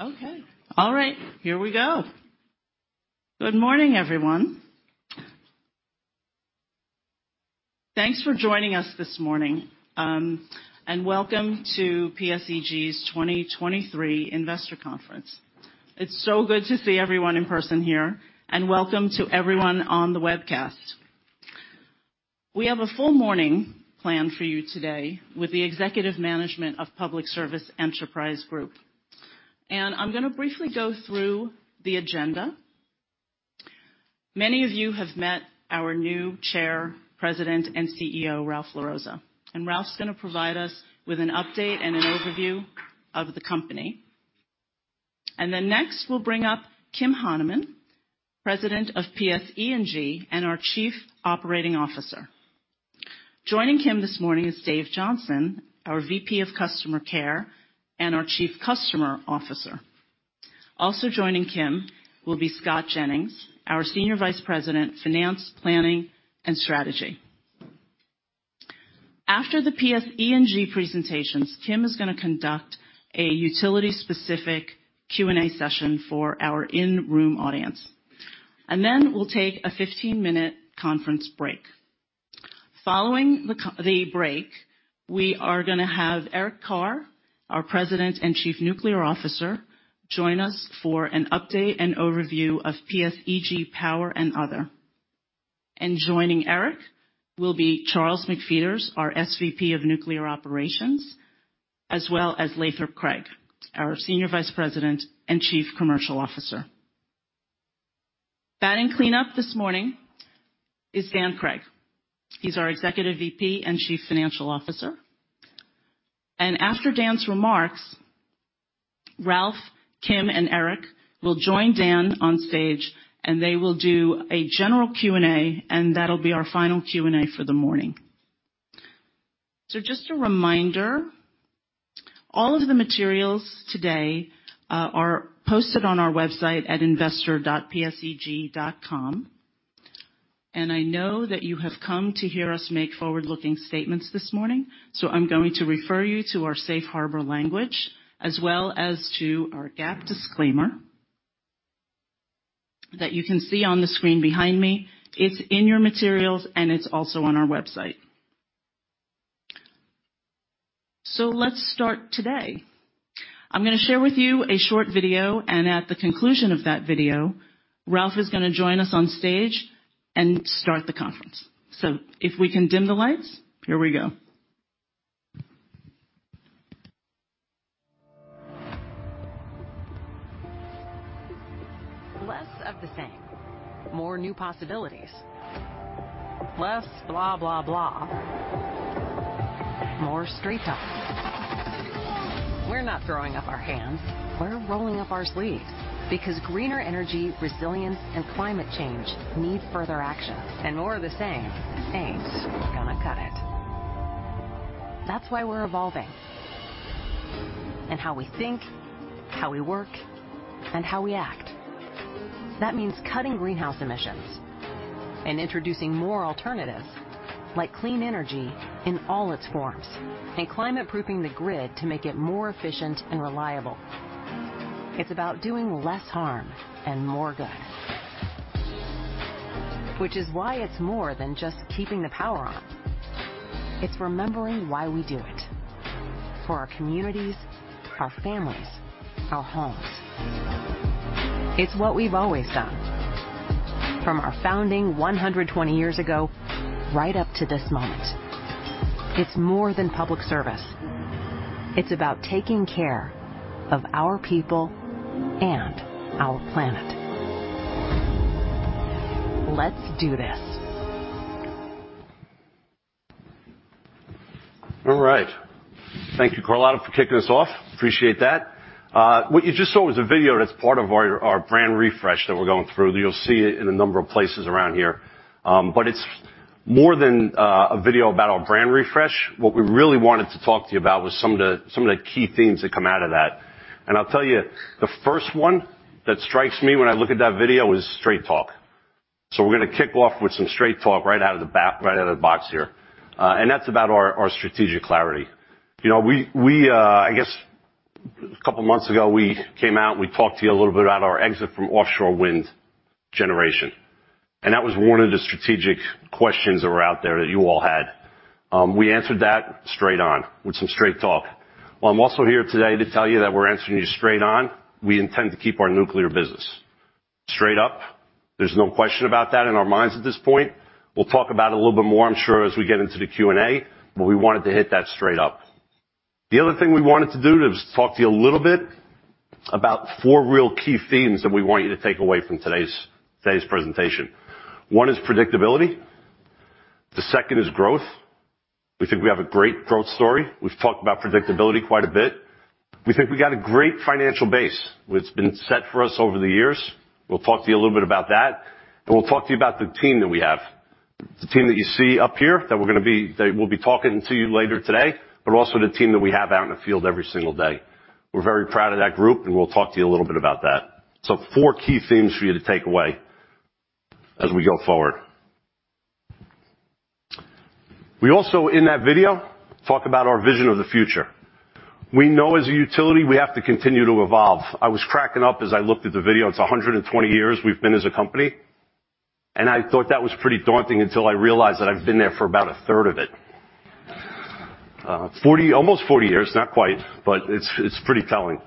Okay. All right, here we go. Good morning, everyone. Thanks for joining us this morning, and welcome to PSEG's 2023 investor conference. It's so good to see everyone in person here and welcome to everyone on the webcast. We have a full morning planned for you today with the executive management of Public Service Enterprise Group. I'm gonna briefly go through the agenda. Many of you have met our new Chair, President, and CEO, Ralph LaRossa. Ralph's gonna provide us with an update and an overview of the company. Next, we'll bring up Kim Hanemann, President of PSE&G and our Chief Operating Officer. Joining Kim this morning is Dave Johnson, our VP of Customer Care and our Chief Customer Officer. Also joining Kim will be Scott Jennings, our Senior Vice President, Finance, Planning, and Strategy. After the PSEG presentations, Kim is gonna conduct a utility-specific Q&A session for our in-room audience. Then we'll take a 15-minute conference break. Following the break, we are gonna have Eric Carr, our President and Chief Nuclear Officer, join us for an update and overview of PSEG Power and Other. Joining Eric will be Charles McFeaters, our SVP of Nuclear Operations, as well as Lathrop Craig, our Senior Vice President and Chief Commercial Officer. Batting cleanup this morning is Dan Cregg. He's our Executive VP and Chief Financial Officer. After Dan's remarks, Ralph, Kim, and Eric will join Dan on stage, and they will do a general Q&A, and that'll be our final Q&A for the morning. Just a reminder, all of the materials today are posted on our website at investor.pseg.com. I know that you have come to hear us make forward-looking statements this morning, so I'm going to refer you to our safe harbor language as well as to our GAAP disclaimer that you can see on the screen behind me. It's in your materials, and it's also on our website. Let's start today. I'm gonna share with you a short video, and at the conclusion of that video, Ralph is gonna join us on stage and start the conference. If we can dim the lights, here we go. Less of the same. More new possibilities. Less blah, blah. More straight talk. We're not throwing up our hands. We're rolling up our sleeves because greener energy, resilience, and climate change need further action. More of the same ain't gonna cut it. That's why we're evolving. In how we think, how we work, and how we act. That means cutting greenhouse emissions and introducing more alternatives like clean energy in all its forms, and climate-proofing the grid to make it more efficient and reliable. It's about doing less harm and more good. It's why it's more than just keeping the power on. It's remembering why we do it: for our communities, our families, our homes. It's what we've always done, from our founding 120 years ago right up to this moment. It's more than public service. It's about taking care of our people and our planet. Let's do this. All right. Thank you, Carlotta, for kicking us off. Appreciate that. What you just saw was a video that's part of our brand refresh that we're going through. You'll see it in a number of places around here. It's more than a video about our brand refresh. What we really wanted to talk to you about was some of the key themes that come out of that. I'll tell you, the first one that strikes me when I look at that video is straight talk. We're gonna kick off with some straight talk right out of the box here. That's about our strategic clarity. You know, we, I guess a couple months ago, we came out. We talked to you a little bit about our exit from offshore wind generation. That was one of the strategic questions that were out there that you all had. We answered that straight on with some straight talk. I'm also here today to tell you that we're answering you straight on. We intend to keep our Nuclear business. Straight up, there's no question about that in our minds at this point. We'll talk about it a little bit more, I'm sure, as we get into the Q&A. We wanted to hit that straight up. The other thing we wanted to do is talk to you a little bit about four real key themes that we want you to take away from today's presentation. One is predictability. The second is growth. We think we have a great growth story. We've talked about predictability quite a bit. We think we got a great financial base. It's been set for us over the years. We'll talk to you a little bit about that, and we'll talk to you about the team that we have. The team that you see up here, they will be talking to you later today, but also the team that we have out in the field every single day. We're very proud of that group, and we'll talk to you a little bit about that. Four key themes for you to take away as we go forward. We also, in that video, talk about our vision of the future. We know as a utility, we have to continue to evolve. I was cracking up as I looked at the video. It's 120 years we've been as a company, and I thought that was pretty daunting until I realized that I've been there for about a third of it. 40, almost 40 years, not quite, but it's pretty telling.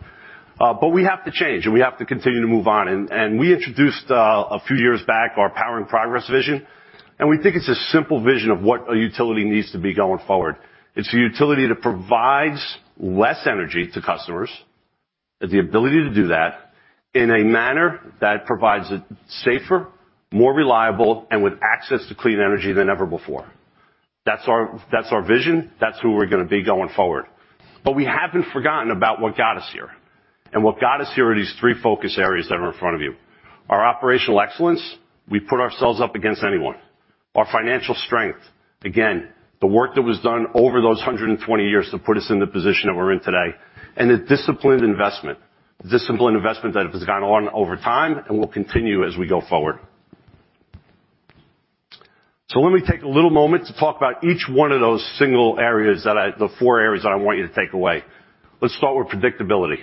We have to change, and we have to continue to move on. We introduced a few years back our Powering Progress vision, and we think it's a simple vision of what a utility needs to be going forward. It's a utility that provides less energy to customers, has the ability to do that in a manner that provides a safer, more reliable, and with access to clean energy than ever before. That's our vision. That's who we're gonna be going forward. We haven't forgotten about what got us here. What got us here are these three focus areas that are in front of you. Our operational excellence, we put ourselves up against anyone. Our financial strength, again, the work that was done over those 120 years to put us in the position that we're in today, and a disciplined investment. Disciplined investment that has gone on over time and will continue as we go forward. Let me take a little moment to talk about each one of those single areas, the four areas that I want you to take away. Let's start with predictability.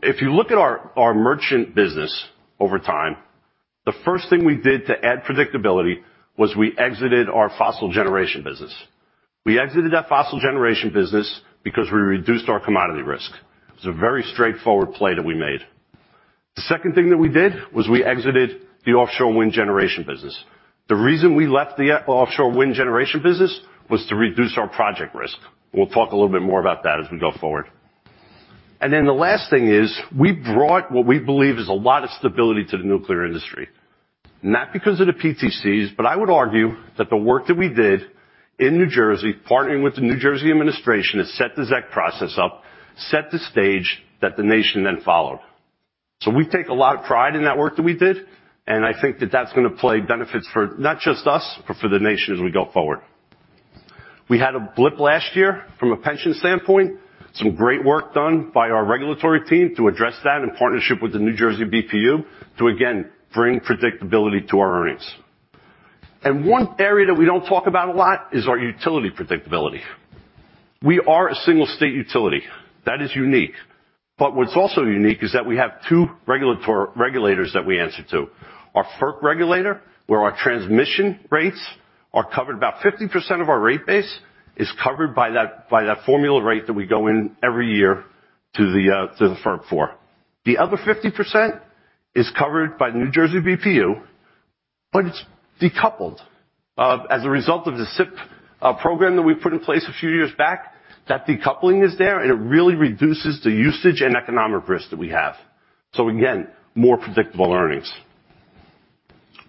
If you look at our Merchant business over time, the first thing we did to add predictability was we exited our Fossil Generation business. We exited that Fossil Generation business because we reduced our commodity risk. It's a very straightforward play that we made. The second thing that we did was we exited the Offshore Wind Generation business. The reason we left the offshore Wind Generation business was to reduce our project risk. We'll talk a little bit more about that as we go forward. The last thing is, we brought what we believe is a lot of stability to the nuclear industry. Not because of the PTCs, but I would argue that the work that we did in New Jersey, partnering with the New Jersey administration to set the ZEC process up, set the stage that the nation then followed. We take a lot of pride in that work that we did, and I think that that's gonna play benefits for not just us, but for the nation as we go forward. We had a blip last year from a pension standpoint. Some great work done by our regulatory team to address that in partnership with the New Jersey BPU to again, bring predictability to our earnings. One area that we don't talk about a lot is our utility predictability. We are a single state utility. That is unique. What's also unique is that we have two regulators that we answer to. Our FERC regulator, where our transmission rates are covered. About 50% of our rate base is covered by that, by that formula rate that we go in every year to the FERC for. The other 50% is covered by New Jersey BPU, but it's decoupled. As a result of the CIP program that we put in place a few years back, that decoupling is there, and it really reduces the usage and economic risk that we have. Again, more predictable earnings.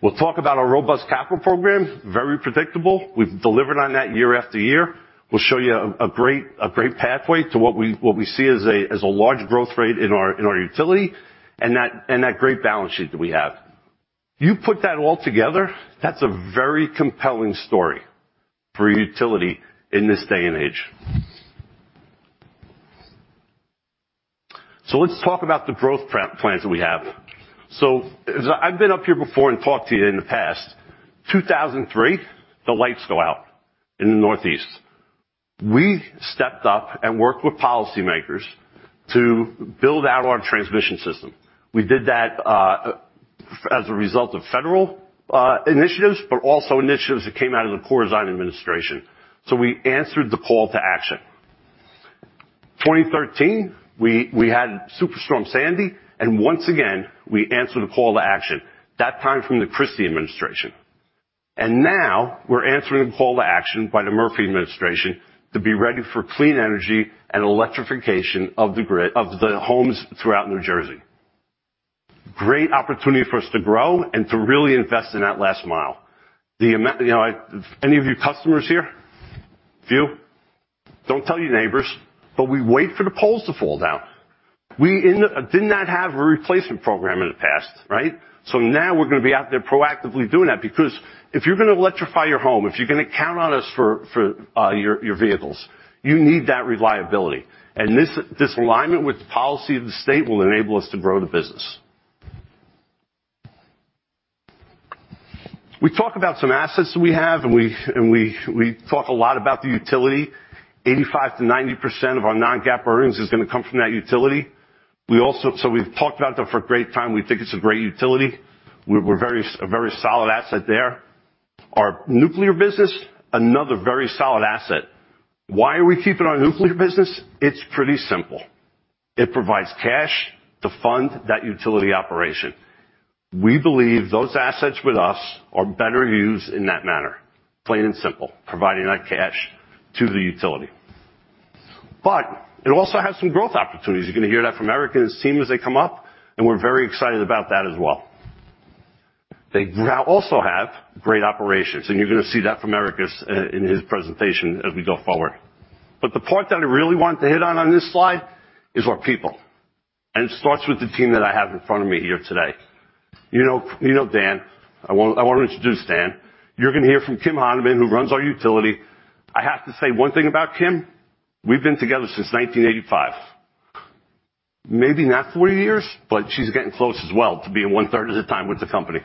We'll talk about our robust capital program, very predictable. We've delivered on that year-after-year. We'll show you a great pathway to what we see as a large growth rate in our utility, and that great balance sheet that we have. You put that all together, that's a very compelling story for a utility in this day and age. Let's talk about the growth plans that we have. As I've been up here before and talked to you in the past. 2003, the lights go out in the Northeast. We stepped up and worked with policymakers to build out our transmission system. We did that as a result of federal initiatives, but also initiatives that came out of the Corzine administration. We answered the call to action. 2013, we had Superstorm Sandy, once again, we answered the call to action, that time from the Christie administration. Now we're answering the call to action by the Murphy administration to be ready for clean energy and electrification of the homes throughout New Jersey. Great opportunity for us to grow and to really invest in that last mile. You know, any of you customers here? Few. Don't tell your neighbors, but we wait for the poles to fall down. did not have a replacement program in the past, right? Now we're gonna be out there proactively doing that because if you're gonna electrify your home, if you're gonna count on us for your vehicles, you need that reliability. This alignment with the policy of the state will enable us to grow the business. We talk about some assets that we have, and we talk a lot about the utility. 85%-90% of our non-GAAP earnings is gonna come from that utility. We've talked about that for a great time. We think it's a great utility. We're a very solid asset there. Our Nuclear business, another very solid asset. Why are we keeping our Nuclear business? It's pretty simple. It provides cash to fund that utility operation. We believe those assets with us are better used in that manner, plain and simple, providing that cash to the utility. It also has some growth opportunities. You're gonna hear that from Eric and his team as they come up, and we're very excited about that as well. They now also have great operations, and you're gonna see that from Eric in his presentation as we go forward. The part that I really want to hit on on this slide is our people. It starts with the team that I have in front of me here today. You know, you know Dan. I wanna introduce Dan. You're gonna hear from Kim Hanemann, who runs our utility. I have to say one thing about Kim. We've been together since 1985. Maybe not 40 years, but she's getting close as well to being one-third of the time with the company.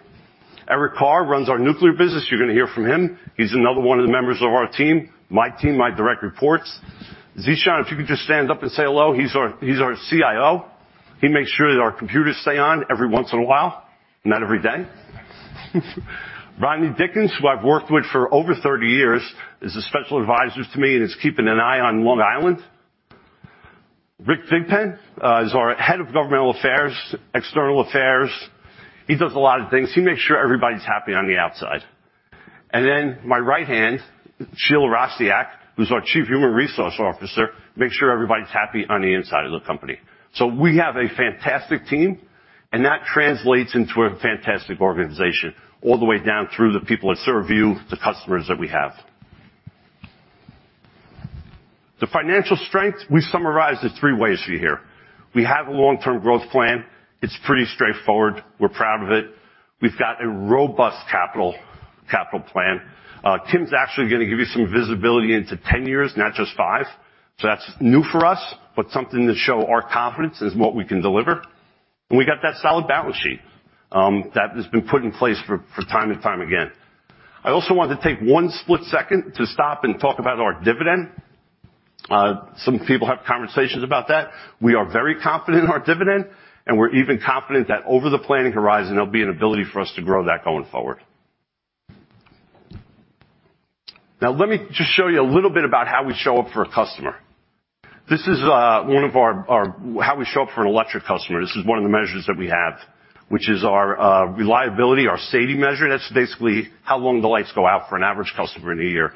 Eric Carr runs our Nuclear business. You're gonna hear from him. He's another one of the members of our team, my team, my direct reports. Zeeshan, if you could just stand up and say hello. He's our CIO. He makes sure that our computers stay on every once in a while, not every day. Rodney Dickens, who I've worked with for over 30 years, is a special advisor to me, and is keeping an eye on Long Island. Rick Thigpen is our Head of Governmental Affairs, External Affairs. He does a lot of things. He makes sure everybody's happy on the outside. My right hand, Sheila Rostiac, who's our Chief Human Resources Officer, makes sure everybody's happy on the inside of the company. We have a fantastic team, and that translates into a fantastic organization, all the way down through the people that serve you, the customers that we have. The financial strength, we summarized it three ways for you here. We have a long-term growth plan. It's pretty straightforward. We're proud of it. We've got a robust capital plan. Tim's actually gonna give you some visibility into 10 years, not just five. That's new for us, but something to show our confidence in what we can deliver. We got that solid balance sheet that has been put in place for time-and-time again. I also want to take one split second to stop and talk about our dividend. Some people have conversations about that. We are very confident in our dividend, and we're even confident that over the planning horizon, there'll be an ability for us to grow that going forward. Now, let me just show you a little bit about how we show up for a customer. This is one of our how we show up for an electric customer. This is 1 of the measures that we have, which is our reliability, our SAIDI measure. That's basically how long the lights go out for an average customer in a year.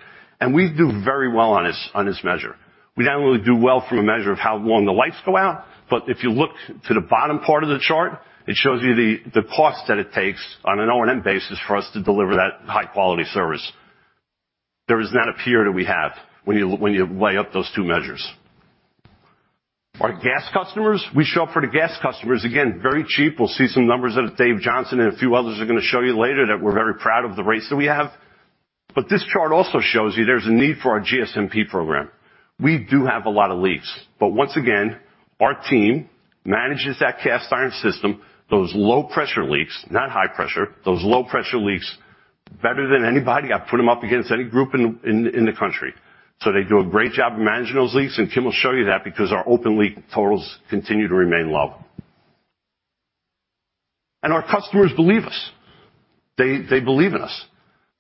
We do very well on this measure. We not only do well from a measure of how long the lights go out, but if you look to the bottom part of the chart, it shows you the cost that it takes on an O&M basis for us to deliver that high-quality service. There is not a peer that we have when you weigh up those two measures. Our gas customers, we show up for the gas customers, again, very cheap. We'll see some numbers that Dave Johnson and a few others are gonna show you later that we're very proud of the rates that we have. This chart also shows you there's a need for our GSMP program. We do have a lot of leaks. Once again, our team manages that cast iron system, those low-pressure leaks, not high pressure, those low-pressure leaks, better than anybody. I'd put them up against any group in the country. They do a great job of managing those leaks, and Kim will show you that because our open leak totals continue to remain low. Our customers believe us. They believe in us.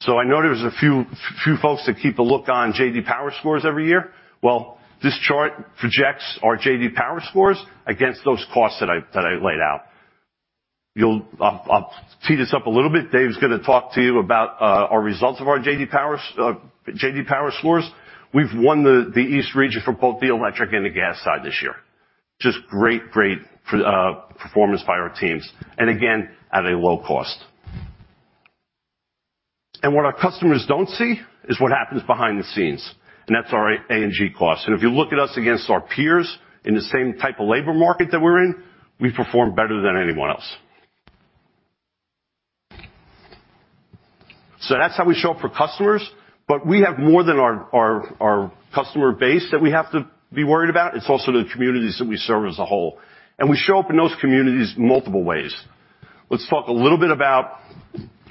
I know there's a few folks that keep a look on J.D. Power scores every year. This chart projects our J.D. Power scores against those costs that I laid out. I'll tee this up a little bit. Dave is gonna talk to you about our results of our J.D. Power scores. We've won the East Region for both the electric and the gas side this year. Just great performance by our teams, and again, at a low cost. What our customers don't see is what happens behind the scenes, and that's our A&G costs. If you look at us against our peers in the same type of labor market that we're in, we perform better than anyone else. That's how we show up for customers, but we have more than our customer base that we have to be worried about. It's also the communities that we serve as a whole. We show up in those communities multiple ways. Let's talk a little bit about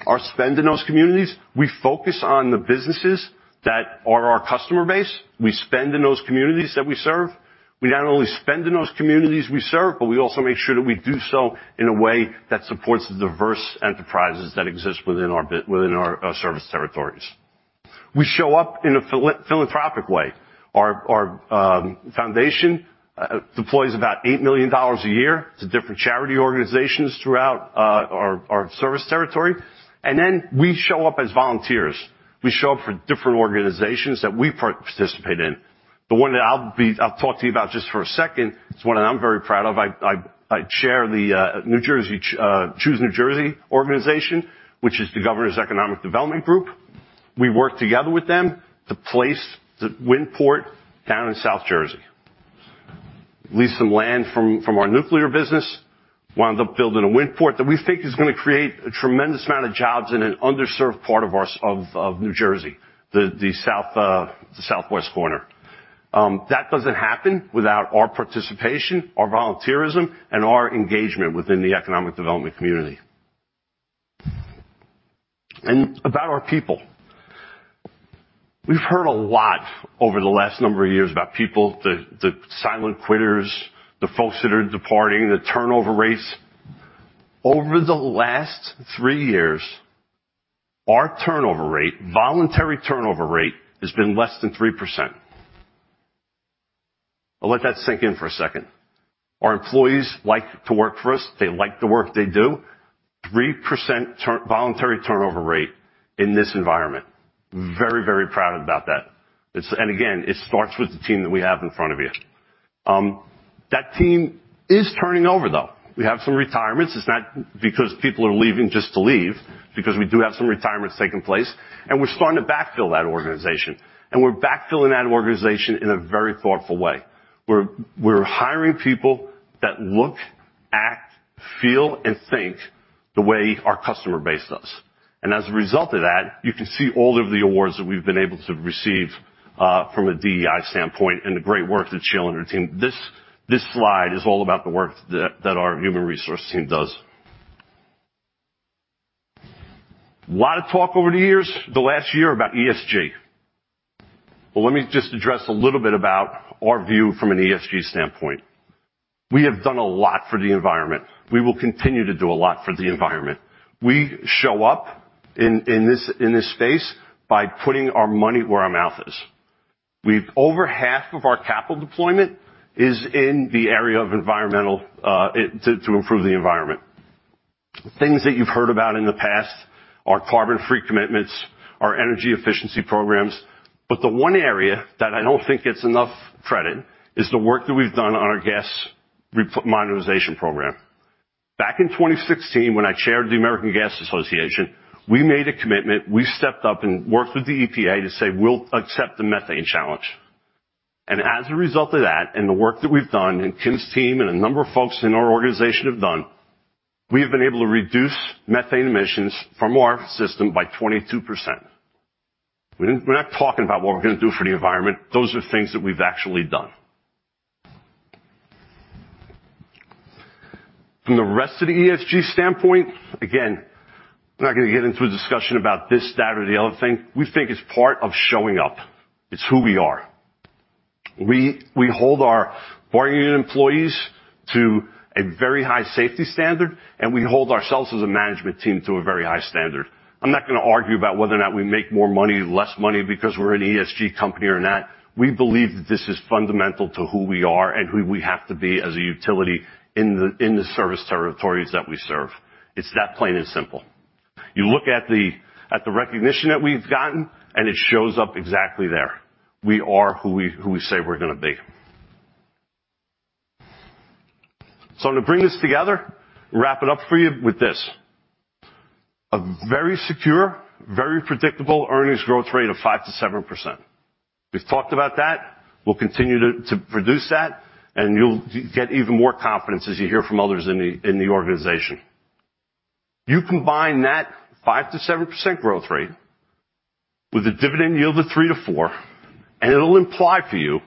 our spend in those communities. We focus on the businesses that are our customer base. We spend in those communities that we serve. We not only spend in those communities we serve, but we also make sure that we do so in a way that supports the diverse enterprises that exist within our service territories. We show up in a philanthropic way. Our foundation deploys about $8 million a year to different charity organizations throughout our service territory. We show up as volunteers. We show up for different organizations that we participate in. The one that I'll talk to you about just for a second, it's one that I'm very proud of. I chair the New Jersey Choose New Jersey organization, which is the governor's economic development group. We work together with them to place the wind port down in South Jersey. Leased some land from our Nuclear business, wound up building a wind port that we think is gonna create a tremendous amount of jobs in an underserved part of ours, of New Jersey, the south, the southwest corner. That doesn't happen without our participation, our volunteerism, and our engagement within the economic development community. About our people. We've heard a lot over the last number of years about people, the silent quitters, the folks that are departing, the turnover rates. Over the last three years, our turnover rate, voluntary turnover rate, has been less than 3%. I'll let that sink in for a second. Our employees like to work for us. They like the work they do. 3% voluntary turnover rate in this environment. Very, very proud about that. Again, it starts with the team that we have in front of you. That team is turning over, though. We have some retirements. It's not because people are leaving just to leave, because we do have some retirements taking place, and we're starting to backfill that organization. We're backfilling that organization in a very thoughtful way. We're hiring people that look, act, feel and think the way our customer base does. As a result of that, you can see all of the awards that we've been able to receive from a DEI standpoint and the great work that Sheila and her team... This slide is all about the work that our human resource team does. Lot of talk over the years, the last year about ESG. Let me just address a little bit about our view from an ESG standpoint. We have done a lot for the environment. We will continue to do a lot for the environment. We show up in this space by putting our money where our mouth is. Over half of our capital deployment is in the area of environmental to improve the environment. Things that you've heard about in the past, our carbon-free commitments, our energy efficiency programs. The one area that I don't think gets enough credit is the work that we've done on our gas modernization program. Back in 2016 when I chaired the American Gas Association, we made a commitment. We stepped up and worked with the EPA to say, "We'll accept the Methane Challenge." As a result of that, and the work that we've done, and Tim's team and a number of folks in our organization have done, we have been able to reduce methane emissions from our system by 22%. We're not talking about what we're gonna do for the environment. Those are things that we've actually done. From the rest of the ESG standpoint, again, I'm not gonna get into a discussion about this, that or the other thing. We think it's part of showing up. It's who we are. We hold our bargaining unit employees to a very high safety standard, and we hold ourselves as a management team to a very high standard. I'm not gonna argue about whether or not we make more money, less money because we're an ESG company or not. We believe that this is fundamental to who we are and who we have to be as a utility in the service territories that we serve. It's that plain and simple. You look at the recognition that we've gotten, and it shows up exactly there. We are who we say we're gonna be. I'm gonna bring this together, wrap it up for you with this. A very secure, very predictable earnings growth rate of 5%-7%. We've talked about that. We'll continue to produce that, and you'll get even more confidence as you hear from others in the organization. You combine that 5%-7% growth rate with a dividend yield of 3%-4%, and it'll imply for you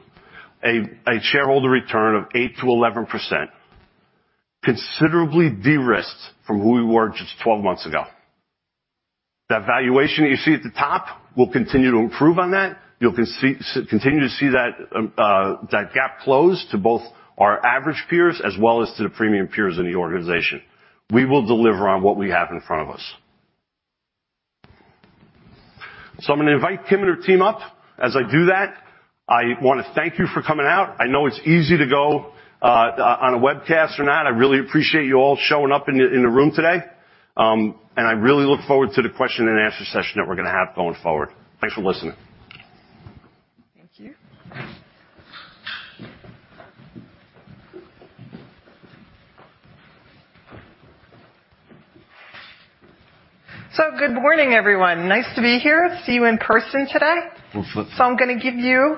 a shareholder return of 8%-11%, considerably de-risked from who we were just 12 months ago. That valuation that you see at the top, we'll continue to improve on that. You'll continue to see that gap close to both our average peers as well as to the premium peers in the organization. We will deliver on what we have in front of us. I'm gonna invite Kim and her team up. As I do that, I wanna thank you for coming out. I know it's easy to go on a webcast or not. I really appreciate you all showing up in the room today. I really look forward to the question and answer session that we're gonna have going forward. Thanks for listening. Thank you. Good morning, everyone. Nice to be here, see you in person today. Mm-hmm. I'm gonna give you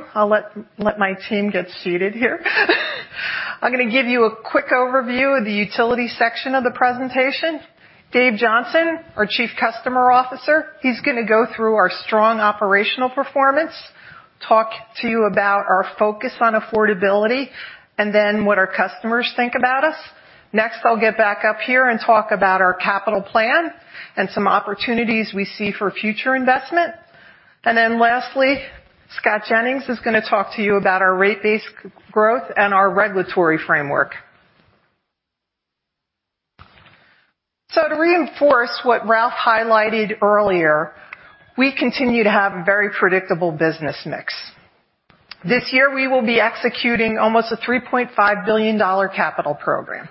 a quick overview of the utility section of the presentation. Dave Johnson, our Chief Customer Officer, he's gonna go through our strong operational performance, talk to you about our focus on affordability, and then what our customers think about us. Next, I'll get back up here and talk about our capital plan and some opportunities we see for future investment. Lastly, Scott Jennings is gonna talk to you about our rate base growth and our regulatory framework. To reinforce what Ralph highlighted earlier, we continue to have a very predictable business mix. This year, we will be executing almost a $3.5 billion capital program.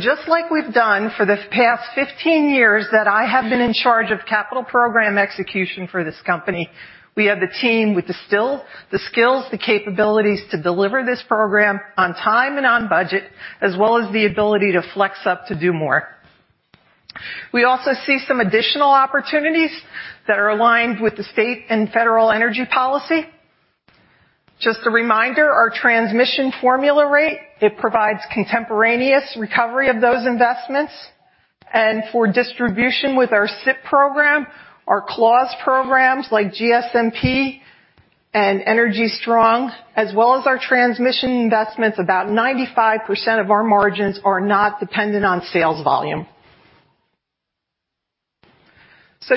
Just like we've done for the past 15 years that I have been in charge of capital program execution for this company, we have the team with the skills, the capabilities to deliver this program on time and on budget, as well as the ability to flex up to do more. We also see some additional opportunities that are aligned with the state and federal energy policy. Just a reminder, our transmission formula rate, it provides contemporaneous recovery of those investments. For distribution with our CIP program, our clause programs like GSMP and Energy Strong, as well as our transmission investments, about 95% of our margins are not dependent on sales volume.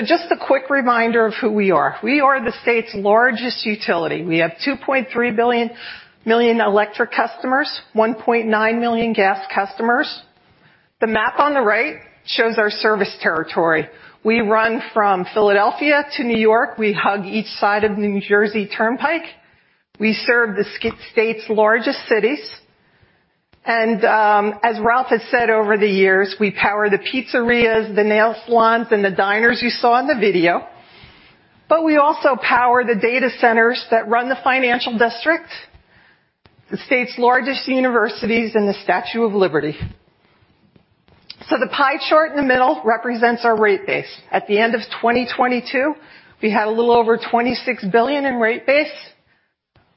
Just a quick reminder of who we are. We are the state's largest utility. We have 2.3 million electric customers, 1.9 million gas customers. The map on the right shows our service territory. We run from Philadelphia to New York. We hug each side of New Jersey Turnpike. We serve the state's largest cities. As Ralph has said over the years, we power the pizzerias, the nail salons, and the diners you saw in the video, but we also power the data centers that run the financial district, the state's largest universities, and the Statue of Liberty. The pie chart in the middle represents our rate base. At the end of 2022, we had a little over $26 billion in rate base.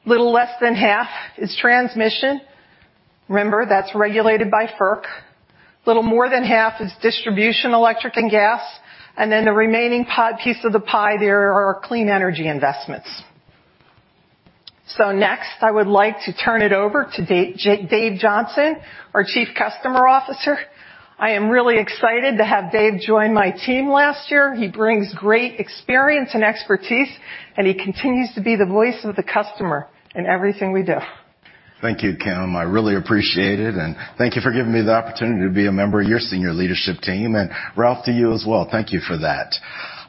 Little less than half is transmission. Remember, that's regulated by FERC. Little more than half is distribution, electric and gas. The remaining piece of the pie there are clean energy investments. Next, I would like to turn it over to Dave Johnson, our Chief Customer Officer. I am really excited to have Dave join my team last year. He brings great experience and expertise, and he continues to be the voice of the customer in everything we do. Thank you, Kim. I really appreciate it, and thank you for giving me the opportunity to be a member of your senior leadership team. Ralph, to you as well, thank you for that.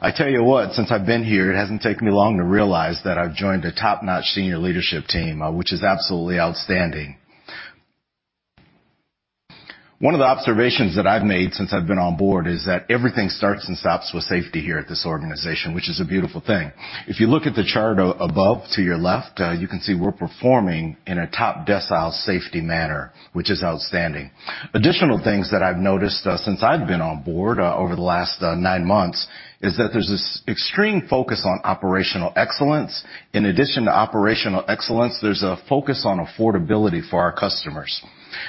I tell you what, since I've been here, it hasn't taken me long to realize that I've joined a top-notch senior leadership team, which is absolutely outstanding. One of the observations that I've made since I've been on board is that everything starts and stops with safety here at this organization, which is a beautiful thing. If you look at the chart above to your left, you can see we're performing in a top decile safety manner, which is outstanding. Additional things that I've noticed since I've been on board over the last nine months is that there's this extreme focus on operational excellence. In addition to operational excellence, there's a focus on affordability for our customers.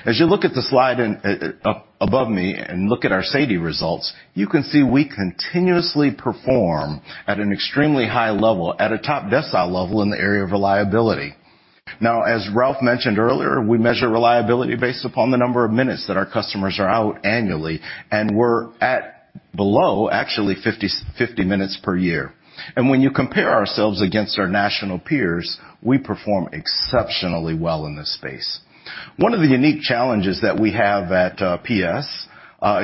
As you look at the slide in up above me and look at our SAIDI results, you can see we continuously perform at an extremely high level, at a top decile level in the area of reliability. As Ralph mentioned earlier, we measure reliability based upon the number of minutes that our customers are out annually, and we're at below, actually 50 minutes per year. When you compare ourselves against our national peers, we perform exceptionally well in this space. One of the unique challenges that we have at PSE&G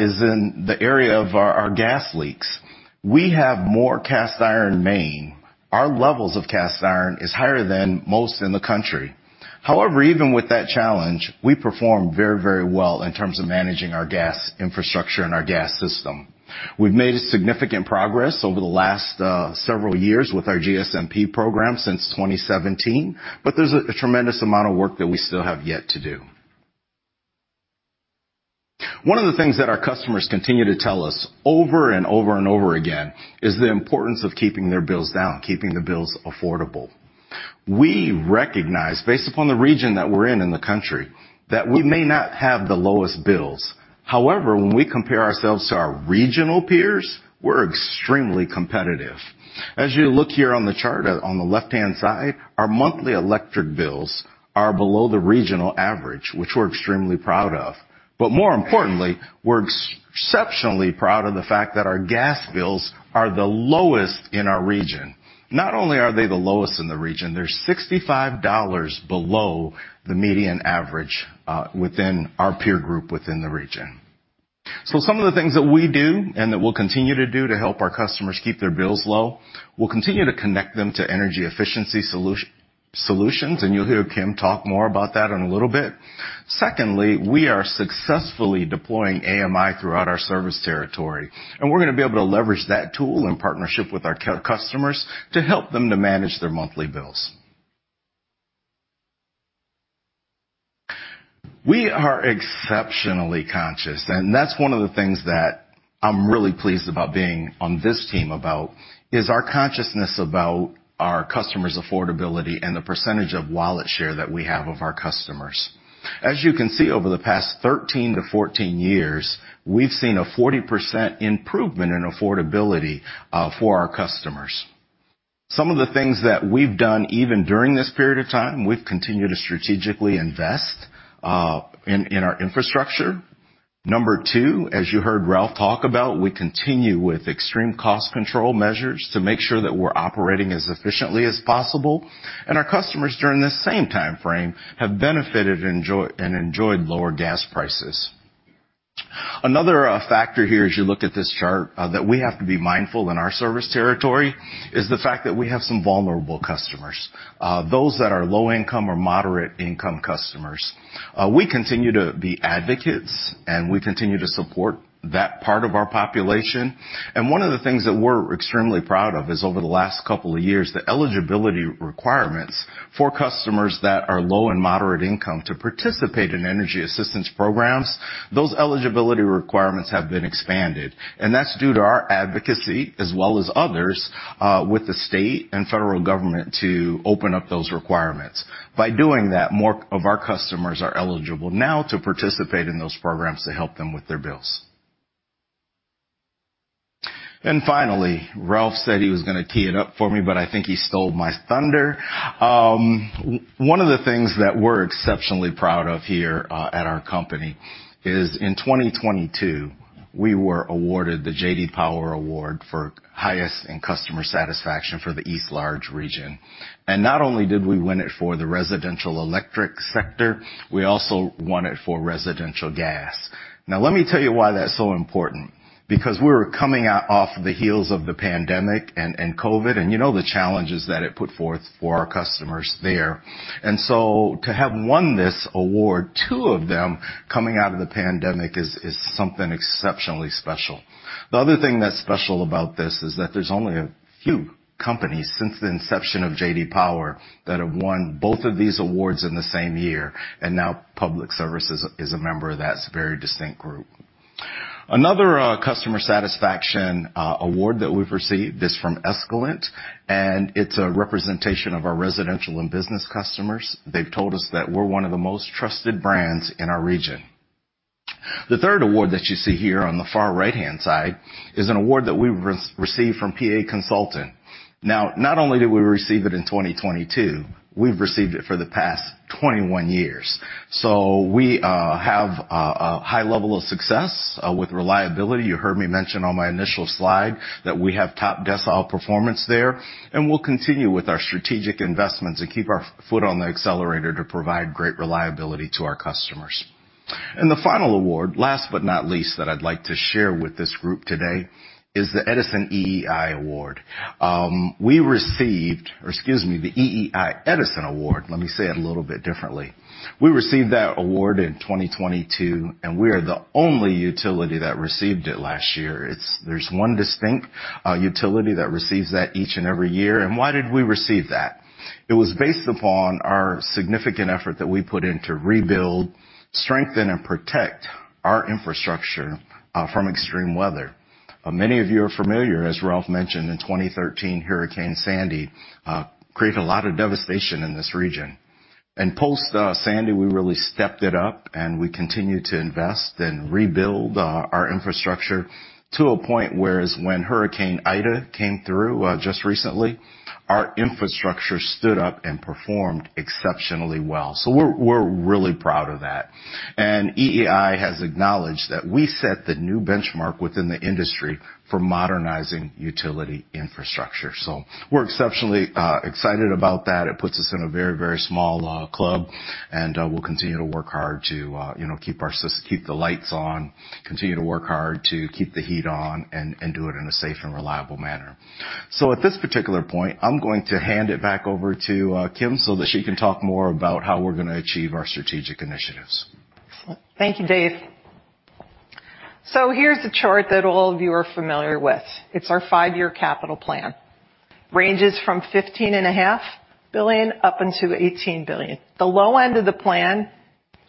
is in the area of our gas leaks. We have more cast iron main. Our levels of cast iron is higher than most in the country. Even with that challenge, we perform very, very well in terms of managing our gas infrastructure and our gas system. We've made significant progress over the last several years with our GSMP program since 2017, there's a tremendous amount of work that we still have yet to do. One of the things that our customers continue to tell us over and over and over again is the importance of keeping their bills down, keeping the bills affordable. We recognize, based upon the region that we're in in the country, that we may not have the lowest bills. When we compare ourselves to our regional peers, we're extremely competitive. As you look here on the chart on the left-hand side, our monthly electric bills are below the regional average, which we're extremely proud of. More importantly, we're exceptionally proud of the fact that our gas bills are the lowest in our region. Not only are they the lowest in the region, they're $65 below the median average within our peer group within the region. Some of the things that we do and that we'll continue to do to help our customers keep their bills low, we'll continue to connect them to energy efficiency solutions, and you'll hear Kim talk more about that in a little bit. Secondly, we are successfully deploying AMI throughout our service territory, and we're gonna be able to leverage that tool in partnership with our customers to help them to manage their monthly bills. We are exceptionally conscious, and that's one of the things that I'm really pleased about being on this team about, is our consciousness about our customers' affordability and the percentage of wallet share that we have of our customers. As you can see over the past 13 to 14 years, we've seen a 40% improvement in affordability for our customers. Some of the things that we've done even during this period of time, we've continued to strategically invest in our infrastructure. Number 2, as you heard Ralph talk about, we continue with extreme cost control measures to make sure that we're operating as efficiently as possible. Our customers during this same timeframe have benefited and enjoyed lower gas prices. Another factor here as you look at this chart that we have to be mindful in our service territory is the fact that we have some vulnerable customers, those that are low income or moderate income customers. We continue to be advocates, we continue to support that part of our population. One of the things that we're extremely proud of is over the last couple of years, the eligibility requirements for customers that are low and moderate income to participate in energy assistance programs, those eligibility requirements have been expanded. That's due to our advocacy as well as others, with the state and federal government to open up those requirements. By doing that, more of our customers are eligible now to participate in those programs to help them with their bills. Finally, Ralph said he was gonna tee it up for me, I think he stole my thunder. One of the things that we're exceptionally proud of here at our company is in 2022, we were awarded the J.D. Power Award for highest in customer satisfaction for the East Large region. Not only did we win it for the residential Electric Sector, we also won it for Residential Gas. Let me tell you why that's so important, because we're coming out off the heels of the pandemic and COVID, and you know the challenges that it put forth for our customers there. To have won this award, two of them coming out of the pandemic is something exceptionally special. The other thing that's special about this is that there's only a few companies since the inception of J.D. Power that have won both of these awards in the same year. Now Public Services is a member of that very distinct group. Another customer satisfaction award that we've received is from Escalent, it's a representation of our residential and business customers. They've told us that we're one of the most trusted brands in our region. The third award that you see here on the far right-hand side is an award that we've received from PA Consulting. Not only did we receive it in 2022, we've received it for the past 21 years. We have a high level of success with reliability. You heard me mention on my initial slide that we have top decile performance there, we'll continue with our strategic investments and keep our foot on the accelerator to provide great reliability to our customers. The final award, last but not least, that I'd like to share with this group today is the Edison EEI award. Or excuse me, the EEI Edison Award. Let me say it a little bit differently. We received that award in 2022, and we are the only utility that received it last year. There's one distinct utility that receives that each and every year. Why did we receive that? It was based upon our significant effort that we put in to rebuild, strengthen, and protect our infrastructure from extreme weather. Many of you are familiar, as Ralph mentioned, in 2013, Hurricane Sandy created a lot of devastation in this region. Post Sandy, we really stepped it up, and we continued to invest and rebuild our infrastructure to a point whereas when Hurricane Ida came through just recently, our infrastructure stood up and performed exceptionally well. We're really proud of that. EEI has acknowledged that we set the new benchmark within the industry for modernizing utility infrastructure. We're exceptionally excited about that. It puts us in a very, very small club, and we'll continue to work hard to, you know, keep the lights on, continue to work hard to keep the heat on, and do it in a safe and reliable manner. At this particular point, I'm going to hand it back over to Kim, so that she can talk more about how we're gonna achieve our strategic initiatives. Excellent. Thank you, Dave. Here's the chart that all of you are familiar with. It's our five-year capital plan. Ranges from $15.5 billion up until $18 billion. The low end of the plan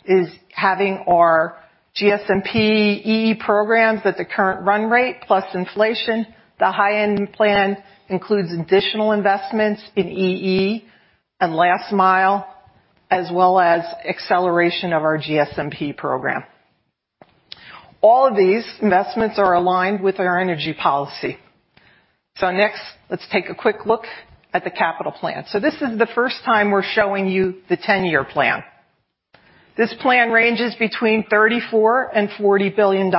is having our GSMP EE programs at the current run rate plus inflation. The high-end plan includes additional investments in EE and last mile, as well as acceleration of our GSMP program. All of these investments are aligned with our energy policy. Next, let's take a quick look at the capital plan. This is the first time we're showing you the 10-year plan. This plan ranges between $34 billion-$40 billion.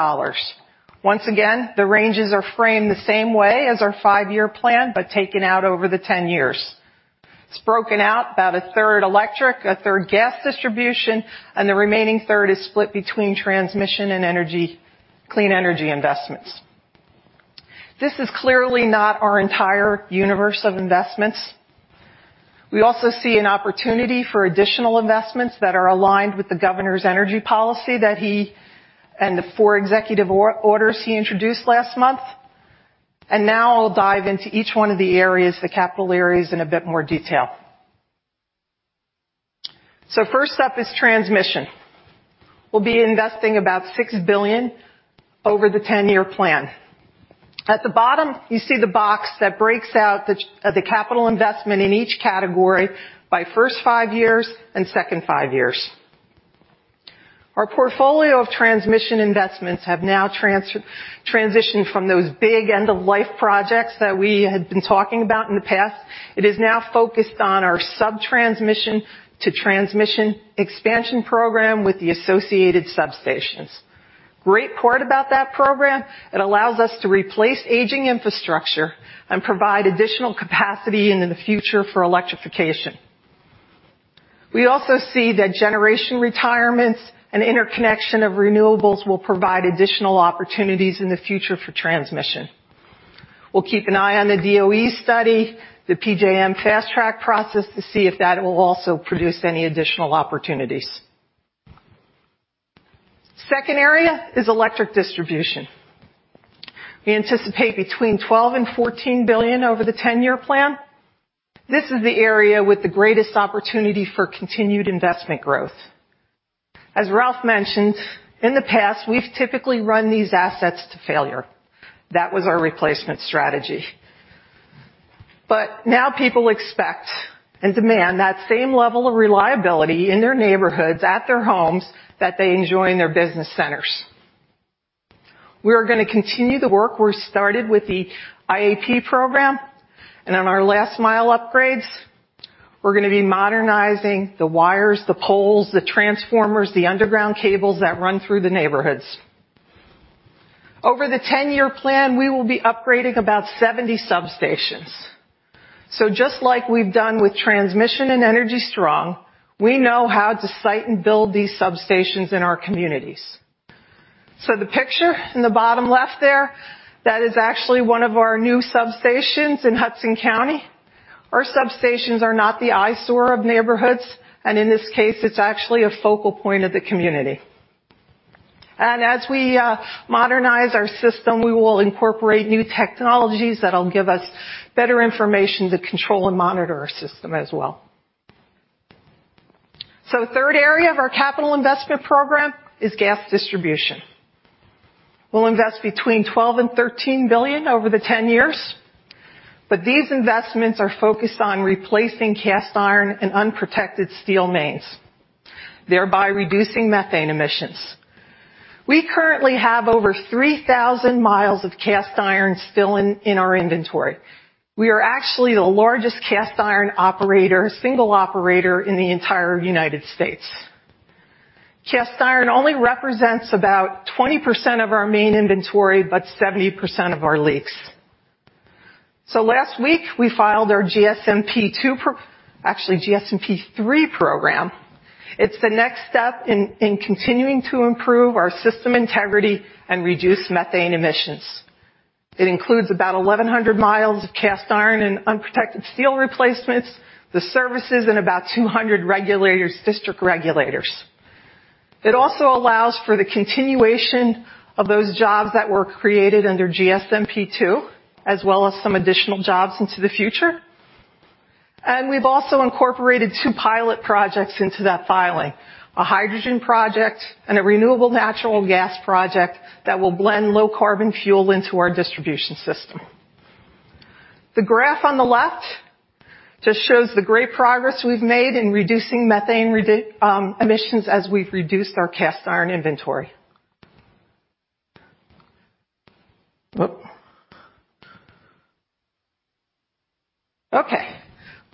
Once again, the ranges are framed the same way as our five-year plan, but taken out over the 10 years. It's broken out about a third electric, a third gas distribution, and the remaining third is split between transmission and clean energy investments. This is clearly not our entire universe of investments. We also see an opportunity for additional investments that are aligned with the governor's energy policy that he and the four executive orders he introduced last month. Now I'll dive into each one of the areas, the capital areas, in a bit more detail. First up is transmission. We'll be investing about $6 billion over the 10-year plan. At the bottom, you see the box that breaks out the capital investment in each category by first five years and second five years. Our portfolio of transmission investments have now transitioned from those big end-of-life projects that we had been talking about in the past. It is now focused on our sub-transmission to transmission expansion program with the associated substations. Great part about that program, it allows us to replace aging infrastructure and provide additional capacity into the future for electrification. We also see that generation retirements and interconnection of renewables will provide additional opportunities in the future for transmission. We'll keep an eye on the DOE study, the PJM fast-track process, to see if that will also produce any additional opportunities. Second area is electric distribution. We anticipate between $12 billion and $14 billion over the 10-year plan. This is the area with the greatest opportunity for continued investment growth. As Ralph mentioned, in the past, we've typically run these assets to failure. That was our replacement strategy. Now people expect and demand that same level of reliability in their neighborhoods, at their homes, that they enjoy in their business centers. We are gonna continue the work we started with the IAP program. On our last mile upgrades, we're gonna be modernizing the wires, the poles, the transformers, the underground cables that run through the neighborhoods. Over the 10-year plan, we will be upgrading about 70 substations. Just like we've done with transmission and Energy Strong, we know how to site and build these substations in our communities. The picture in the bottom left there, that is actually one of our new substations in Hudson County. Our substations are not the eyesore of neighborhoods, and in this case, it's actually a focal point of the community. As we modernize our system, we will incorporate new technologies that'll give us better information to control and monitor our system as well. Third area of our capital investment program is gas distribution. We'll invest between $12 billion and $13 billion over the 10 years. These investments are focused on replacing cast iron and unprotected steel mains, thereby reducing methane emissions. We currently have over 3,000 mi of cast iron still in our inventory. We are actually the largest cast iron operator, single operator in the entire United States. Cast iron only represents about 20% of our main inventory, but 70% of our leaks. Last week, we filed our GSMP II, actually GSMP III program. It's the next step in continuing to improve our system integrity and reduce methane emissions. It includes about 1,100 mi of cast iron and unprotected steel replacements, the services and about 200 regulators, district regulators. It also allows for the continuation of those jobs that were created under GSMP II, as well as some additional jobs into the future. We've also incorporated two pilot projects into that filing: a hydrogen project and a renewable natural gas project that will blend low carbon fuel into our distribution system. The graph on the left just shows the great progress we've made in reducing methane emissions as we've reduced our cast iron inventory. Whoop. Okay.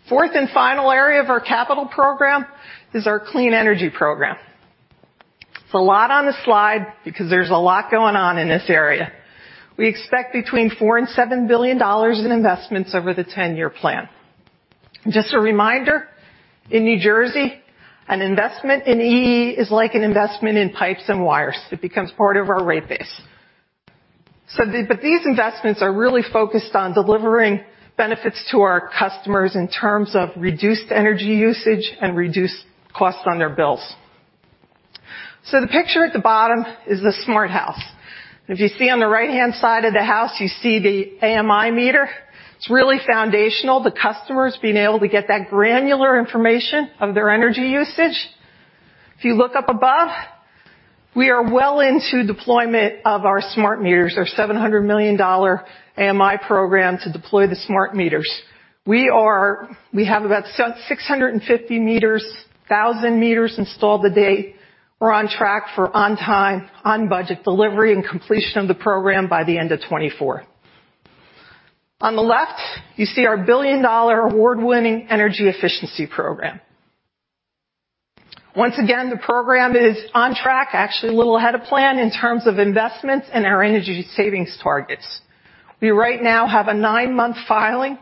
Fourth and final area of our capital program is our clean energy program. It's a lot on the slide because there's a lot going on in this area. We expect between $4 billion and $7 billion in investments over the 10-year plan. Just a reminder, in New Jersey, an investment in EE is like an investment in pipes and wires. It becomes part of our rate base. These investments are really focused on delivering benefits to our customers in terms of reduced energy usage and reduced costs on their bills. The picture at the bottom is the smart house. If you see on the right-hand side of the house, you see the AMI meter. It's really foundational, the customers being able to get that granular information of their energy usage. If you look up above, we are well into deployment of our smart meters, our $700 million AMI program to deploy the smart meters. We have about 650,000 meters installed to date. We're on track for on time, on budget delivery and completion of the program by the end of 2024. On the left, you see our billion-dollar award-winning energy efficiency program. Once again, the program is on track, actually a little ahead of plan in terms of investments and our energy savings targets. We right now have a nine-month filing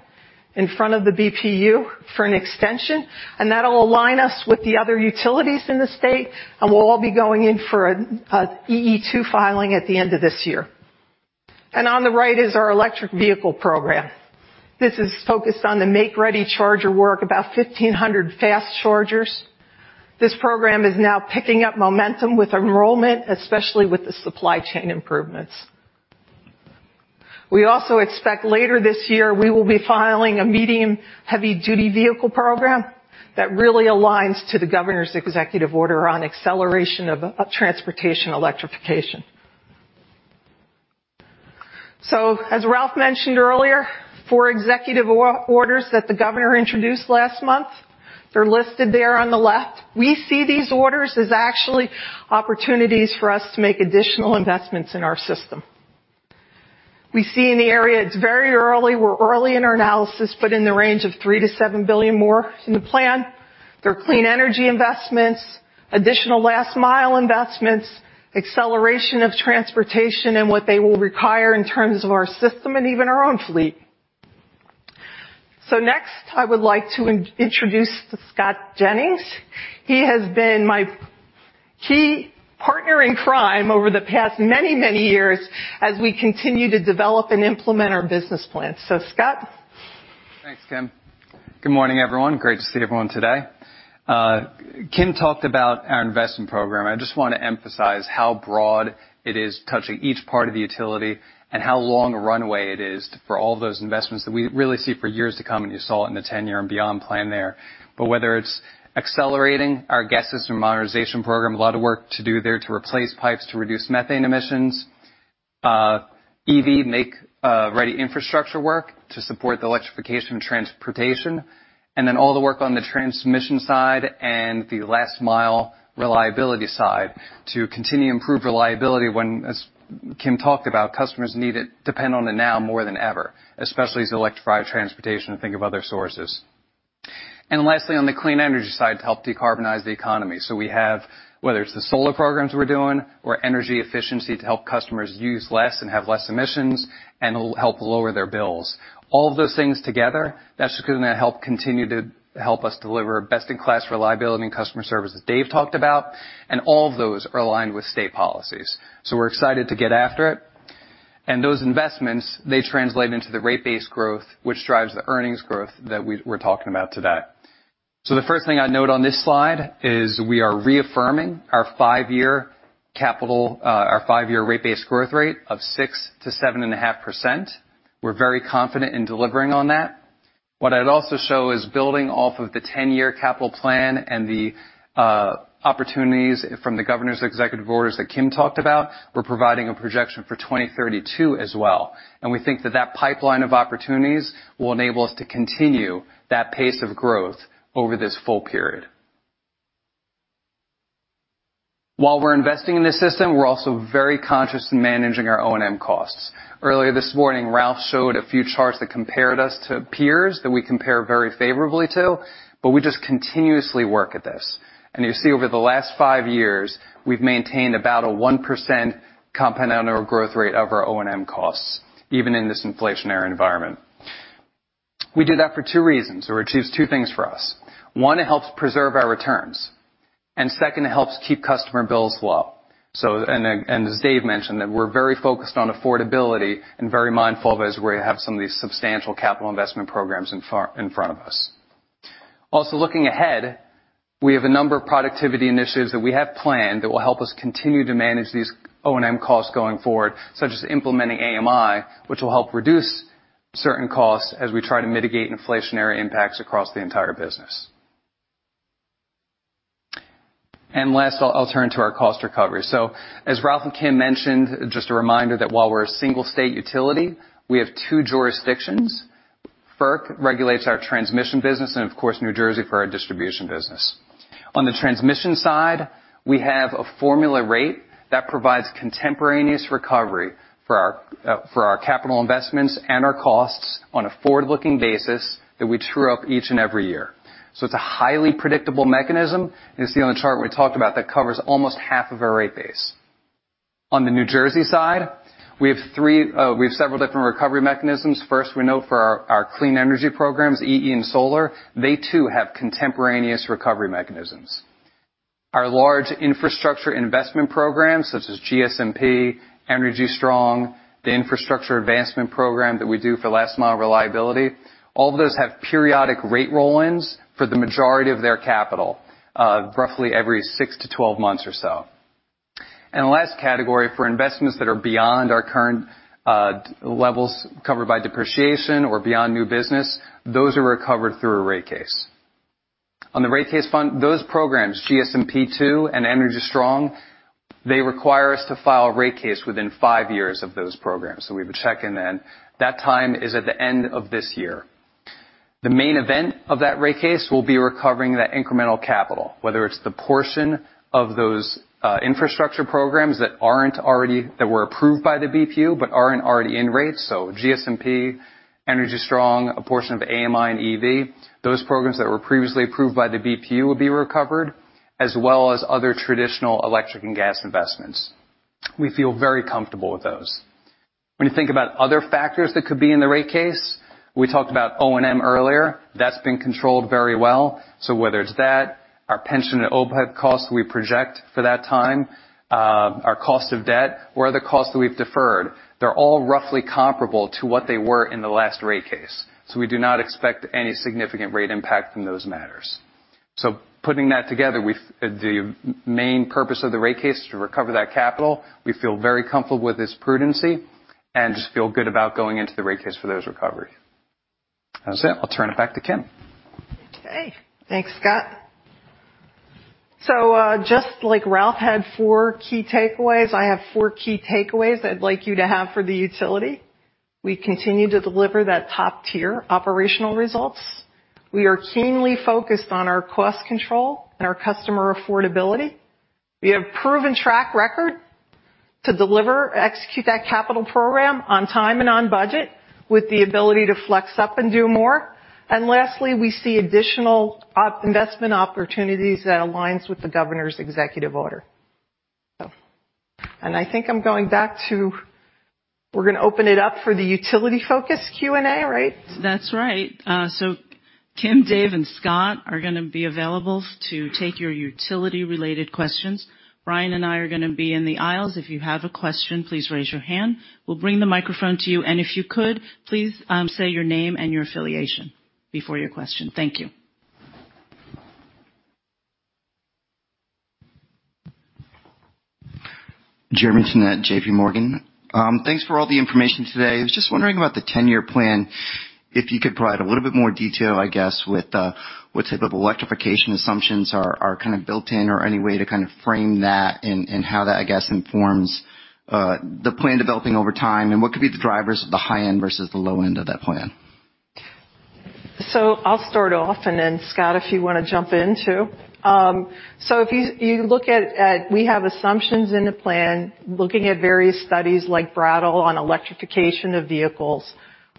in front of the BPU for an extension, and that'll align us with the other utilities in the state, and we'll all be going in for a EE 2 filing at the end of this year. On the right is our electric vehicle program. This is focused on the make-ready charger work, about 1,500 fast chargers. This program is now picking up momentum with enrollment, especially with the supply chain improvements. We also expect later this year, we will be filing a medium heavy-duty vehicle program that really aligns to the governor's executive order on acceleration of transportation electrification. As Ralph mentioned earlier, four executive orders that the governor introduced last month, they're listed there on the left. We see these orders as actually opportunities for us to make additional investments in our system. We see in the area it's very early. We're early in our analysis, in the range of $3 billion-$7 billion more in the plan. They're clean energy investments, additional last mile investments, acceleration of transportation and what they will require in terms of our system and even our own fleet. Next, I would like to introduce Scott Jennings. He has been my key partner in crime over the past many years as we continue to develop and implement our business plan. Scott. Thanks, Kim. Good morning, everyone. Great to see everyone today. Kim talked about our investment program. I just wanna emphasize how broad it is touching each part of the utility and how long a runway it is for all those investments that we really see for years to come, and you saw it in the 10-year and beyond plan there. Whether it's accelerating our Gas System Modernization Program, a lot of work to do there to replace pipes to reduce methane emissions, EV make ready infrastructure work to support the electrification of transportation, and then all the work on the transmission side and the last mile reliability side to continue improved reliability when, as Kim talked about, customers need it, depend on it now more than ever, especially as they electrify transportation and think of other sources. Lastly, on the clean energy side to help decarbonize the economy. We have, whether it's the solar programs we're doing or energy efficiency to help customers use less and have less emissions and help lower their bills. All of those things together, that's gonna help continue to help us deliver best-in-class reliability and customer service that Dave talked about, All of those are aligned with state policies. We're excited to get after it. Those investments, they translate into the rate-based growth, which drives the earnings growth that we're talking about today. The first thing I note on this slide is we are reaffirming our five-year rate base growth rate of 6%-7.5%. We're very confident in delivering on that. What I'd also show is building off of the 10-year capital plan and the opportunities from the governor's executive orders that Kim talked about, we're providing a projection for 2032 as well. We think that that pipeline of opportunities will enable us to continue that pace of growth over this full period. While we're investing in the system, we're also very conscious in managing our O&M costs. Earlier this morning, Ralph showed a few charts that compared us to peers that we compare very favorably to, but we just continuously work at this. You see over the last five years, we've maintained about a 1% compound annual growth rate of our O&M costs, even in this inflationary environment. We do that for two reasons, or achieve two things for us. One, it helps preserve our returns, and second, it helps keep customer bills low. As Dave mentioned, that we're very focused on affordability and very mindful of as we have some of these substantial capital investment programs in front of us. Also looking ahead, we have a number of productivity initiatives that we have planned that will help us continue to manage these O&M costs going forward, such as implementing AMI, which will help reduce certain costs as we try to mitigate inflationary impacts across the entire business. Last, I'll turn to our cost recovery. As Ralph and Kim mentioned, just a reminder that while we're a single state utility, we have two jurisdictions. FERC regulates our transmission Business and of course, New Jersey for our Distribution business. On the transmission side, we have a formula rate that provides contemporaneous recovery for our, for our capital investments and our costs on a forward-looking basis that we true up each and every year. It's a highly predictable mechanism, and you see on the chart we talked about that covers almost half of our rate base. On the New Jersey side, we have several different recovery mechanisms. First, we note for our clean energy programs, EE and solar, they too have contemporaneous recovery mechanisms. Our large infrastructure investment programs such as GSMP, Energy Strong, the Infrastructure Advancement Program that we do for last mile reliability, all of those have periodic rate roll-ins for the majority of their capital, roughly every six to 12 months or so. The last category for investments that are beyond our current levels covered by depreciation or beyond new business, those are recovered through a rate case. The rate case front, those programs, GSMP II and Energy Strong, they require us to file a rate case within five years of those programs. We have a check-in then. That time is at the end of this year. The main event of that rate case will be recovering that incremental capital, whether it's the portion of those infrastructure programs that were approved by the BPU, but aren't already in rates. GSMP, Energy Strong, a portion of AMI and EV, those programs that were previously approved by the BPU will be recovered, as well as other traditional electric and gas investments. We feel very comfortable with those. When you think about other factors that could be in the rate case, we talked about O&M earlier. That's been controlled very well. Whether it's that, our pension and overhead costs we project for that time, our cost of debt or the costs that we've deferred, they're all roughly comparable to what they were in the last rate case. We do not expect any significant rate impact from those matters. Putting that together with the main purpose of the rate case, to recover that capital, we feel very comfortable with this prudency and just feel good about going into the rate case for those recoveries. That's it. I'll turn it back to Kim. Okay, thanks, Scott. Just like Ralph had four key takeaways, I have four key takeaways I'd like you to have for the utility. We continue to deliver that top-tier operational results. We are keenly focused on our cost control and our customer affordability. We have proven track record to deliver, execute that capital program on time and on budget with the ability to flex up and do more. Lastly, we see additional investment opportunities that aligns with the governor's executive order. I think we're gonna open it up for the utility focus Q&A, right? That's right. Kim, Dave, and Scott are gonna be available to take your utility-related questions. Brian and I are gonna be in the aisles. If you have a question, please raise your hand. We'll bring the microphone to you. If you could, please, say your name and your affiliation before your question. Thank you. Thanks for all the information today. I was just wondering about the 10-year plan. If you could provide a little bit more detail, I guess, with what type of electrification assumptions are kind of built in or any way to kind of frame that and how that, I guess, informs the plan developing over time and what could be the drivers of the high end versus the low end of that plan? I'll start off, and then Scott, if you wanna jump in too. If you look at we have assumptions in the plan, looking at various studies like Brattle on electrification of vehicles.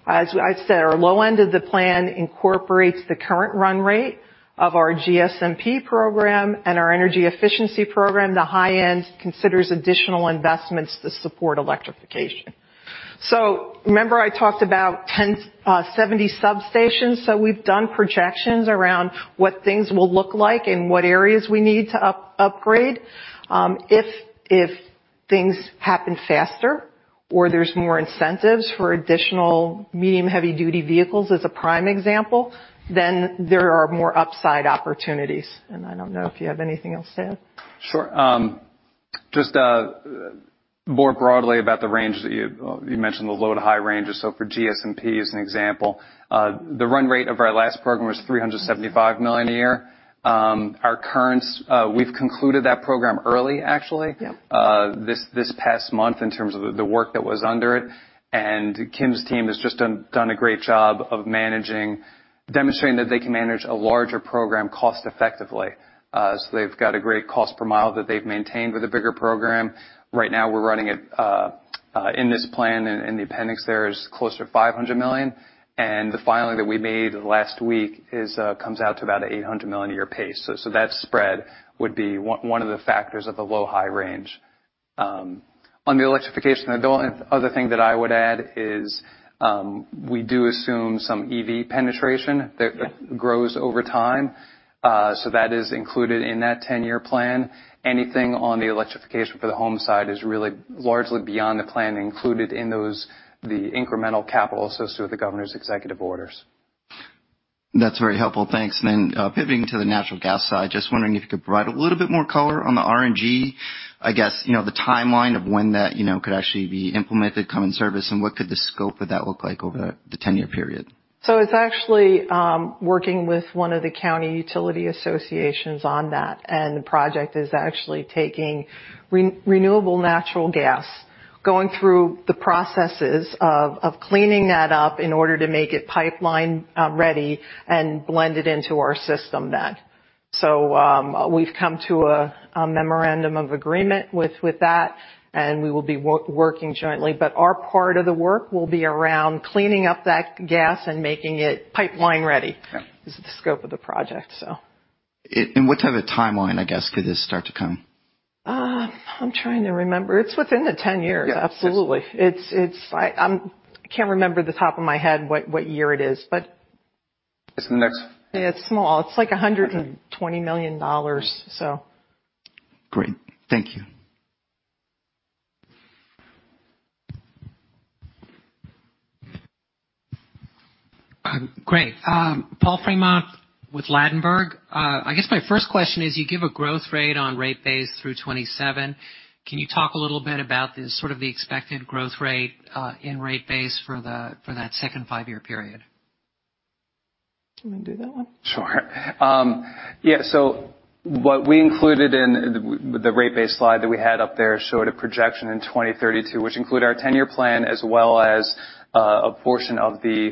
As I said, our low end of the plan incorporates the current run rate of our GSMP program and our energy efficiency program. The high end considers additional investments to support electrification. Remember I talked about 70 substations. We've done projections around what things will look like and what areas we need to upgrade if things happen faster, or there's more incentives for additional medium heavy-duty vehicles as a prime example, then there are more upside opportunities. I don't know if you have anything else to add. Sure. Just more broadly about the range that you mentioned the low to high ranges. For GSMP, as an example, the run rate of our last program was $375 million a year. We've concluded that program early, actually. Yeah. This past month in terms of the work that was under it. Kim's team has just done a great job of managing, demonstrating that they can manage a larger program cost effectively. They've got a great cost per mile that they've maintained with a bigger program. Right now we're running it in this plan in the appendix there is closer to $500 million. The filing that we made last week comes out to about $800 million a year pace. That spread would be one of the factors of the low-high range. On the electrification, the other thing that I would add is, we do assume some EV penetration that- Yeah. grows over time. That is included in that 10-year plan. Anything on the electrification for the home side is really largely beyond the plan included in the incremental capital associated with the governor's executive orders. That's very helpful. Thanks. Then, pivoting to the natural gas side, just wondering if you could provide a little bit more color on the RNG. I guess, you know, the timeline of when that, you know, could actually be implemented, come in service, and what could the scope of that look like over the 10-year period? It's actually working with one of the county utility associations on that, and the project is actually taking renewable natural gas, going through the processes of cleaning that up in order to make it pipeline ready and blend it into our system then. We've come to a memorandum of agreement with that, and we will be working jointly. Our part of the work will be around cleaning up that gas and making it pipeline ready. Yeah. Is the scope of the project, so? What type of timeline, I guess, could this start to come? I'm trying to remember. It's within the 10 years. Yeah. Absolutely. It's, I can't remember the top of my head what year it is. It's in the next-. It's small. It's like $120 million, so. Great. Thank you. Great. Paul Fremont with Ladenburg. I guess my first question is, you give a growth rate on rate base through 2027. Can you talk a little bit about the expected growth rate in rate base for the, for that second five-year period? You wanna do that one? Sure. Yeah. What we included in the rate base slide that we had up there showed a projection in 2032, which include our 10-year plan, as well as a portion of the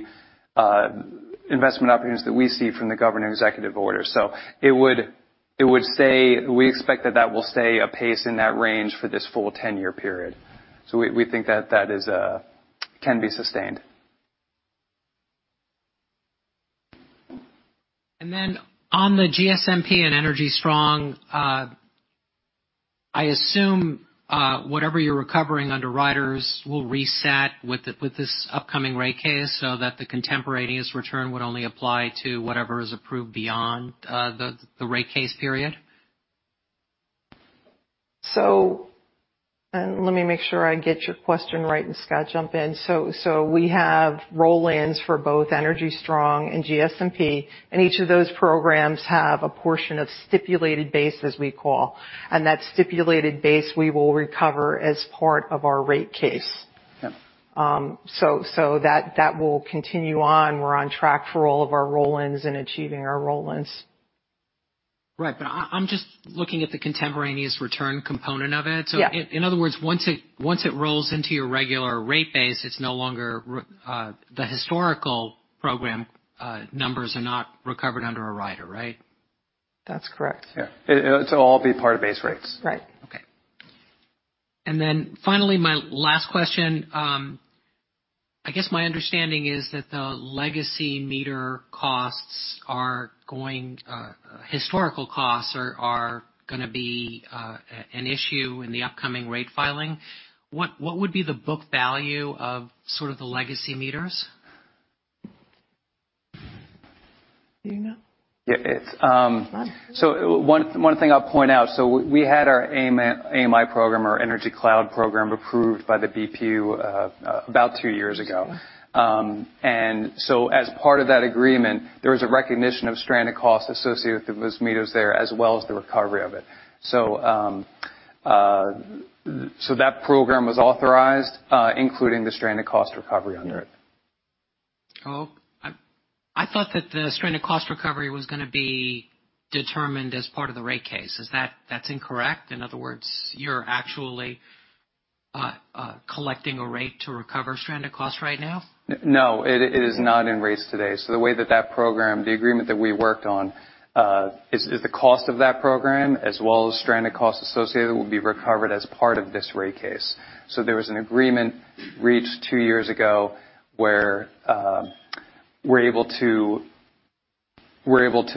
investment opportunities that we see from the Governor executive order. We expect that that will stay a pace in that range for this full 10-year period. We think that that is can be sustained. On the GSMP and Energy Strong, I assume whatever you're recovering under riders will reset with this upcoming rate case so that the contemporaneous return would only apply to whatever is approved beyond the rate case period. Let me make sure I get your question right, and Scott, jump in. We have roll-ins for both Energy Strong and GSMP, and each of those programs have a portion of stipulated base, as we call, and that stipulated base we will recover as part of our rate case. Yeah. That will continue on. We're on track for all of our roll-ins and achieving our roll-ins. Right. I'm just looking at the contemporaneous return component of it. Yeah. In other words, once it rolls into your regular rate base, it's no longer the historical program numbers are not recovered under a rider, right? That's correct. Yeah. It'll all be part of base rates. Right. Okay. Finally, my last question. I guess my understanding is that the historical costs are gonna be an issue in the upcoming rate filing. What would be the book value of sort of the legacy meters? Do you know? Yeah, it's... Come on. One thing I'll point out, we had our AMI program, or Energy Cloud program, approved by the BPU about two years ago. As part of that agreement, there was a recognition of stranded costs associated with those meters there, as well as the recovery of it. That program was authorized, including the stranded cost recovery under it. I thought that the stranded cost recovery was gonna be determined as part of the rate case. Is that incorrect? In other words, you're actually collecting a rate to recover stranded costs right now? No, it is not in rates today. The way that that program, the agreement that we worked on, is the cost of that program, as well as stranded costs associated, will be recovered as part of this rate case. There was an agreement reached two years ago where we're able to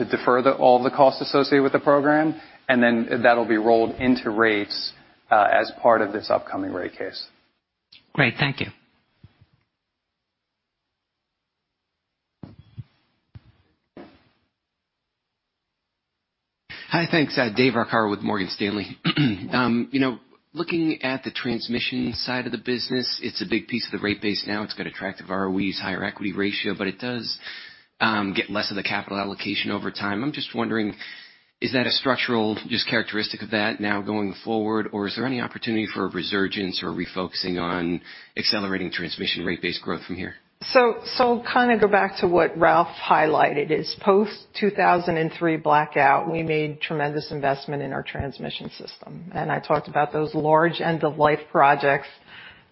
defer all the costs associated with the program, that'll be rolled into rates as part of this upcoming rate case. Great. Thank you. Hi. Thanks. David Arcaro with Morgan Stanley. You know, looking at the transmission side of the business, it's a big piece of the rate base now. It's got attractive ROEs, higher equity ratio, but it does, get less of the capital allocation over time. I'm just wondering, is that a structural just characteristic of that now going forward, or is there any opportunity for a resurgence or refocusing on accelerating transmission rate base growth from here? Kind of go back to what Ralph highlighted is post-2003 blackout, we made tremendous investment in our transmission system. I talked about those large end-of-life projects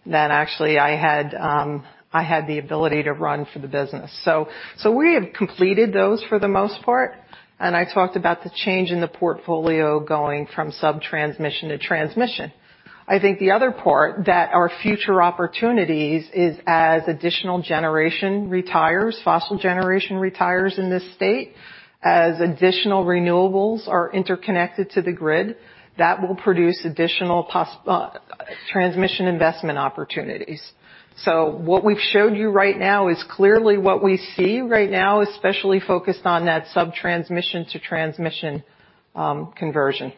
that actually I had the ability to run for the business. We have completed those for the most part, and I talked about the change in the portfolio going from sub-transmission to transmission. I think the other part that our future opportunities is as additional generation retires, fossil generation retires in this state, as additional renewables are interconnected to the grid, that will produce additional transmission investment opportunities. What we've showed you right now is clearly what we see right now, especially focused on that sub-transmission to transmission conversion.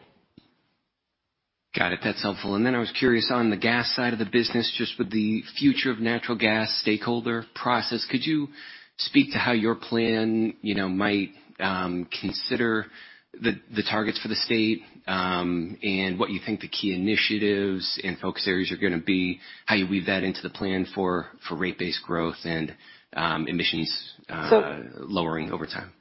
Got it. That's helpful. I was curious on the gas side of the business, just with the future of natural gas stakeholder process, could you speak to how your plan, you know, might consider the targets for the state and what you think the key initiatives and focus areas are gonna be, how you weave that into the plan for rate-based growth and emissions? So- Lowering over time.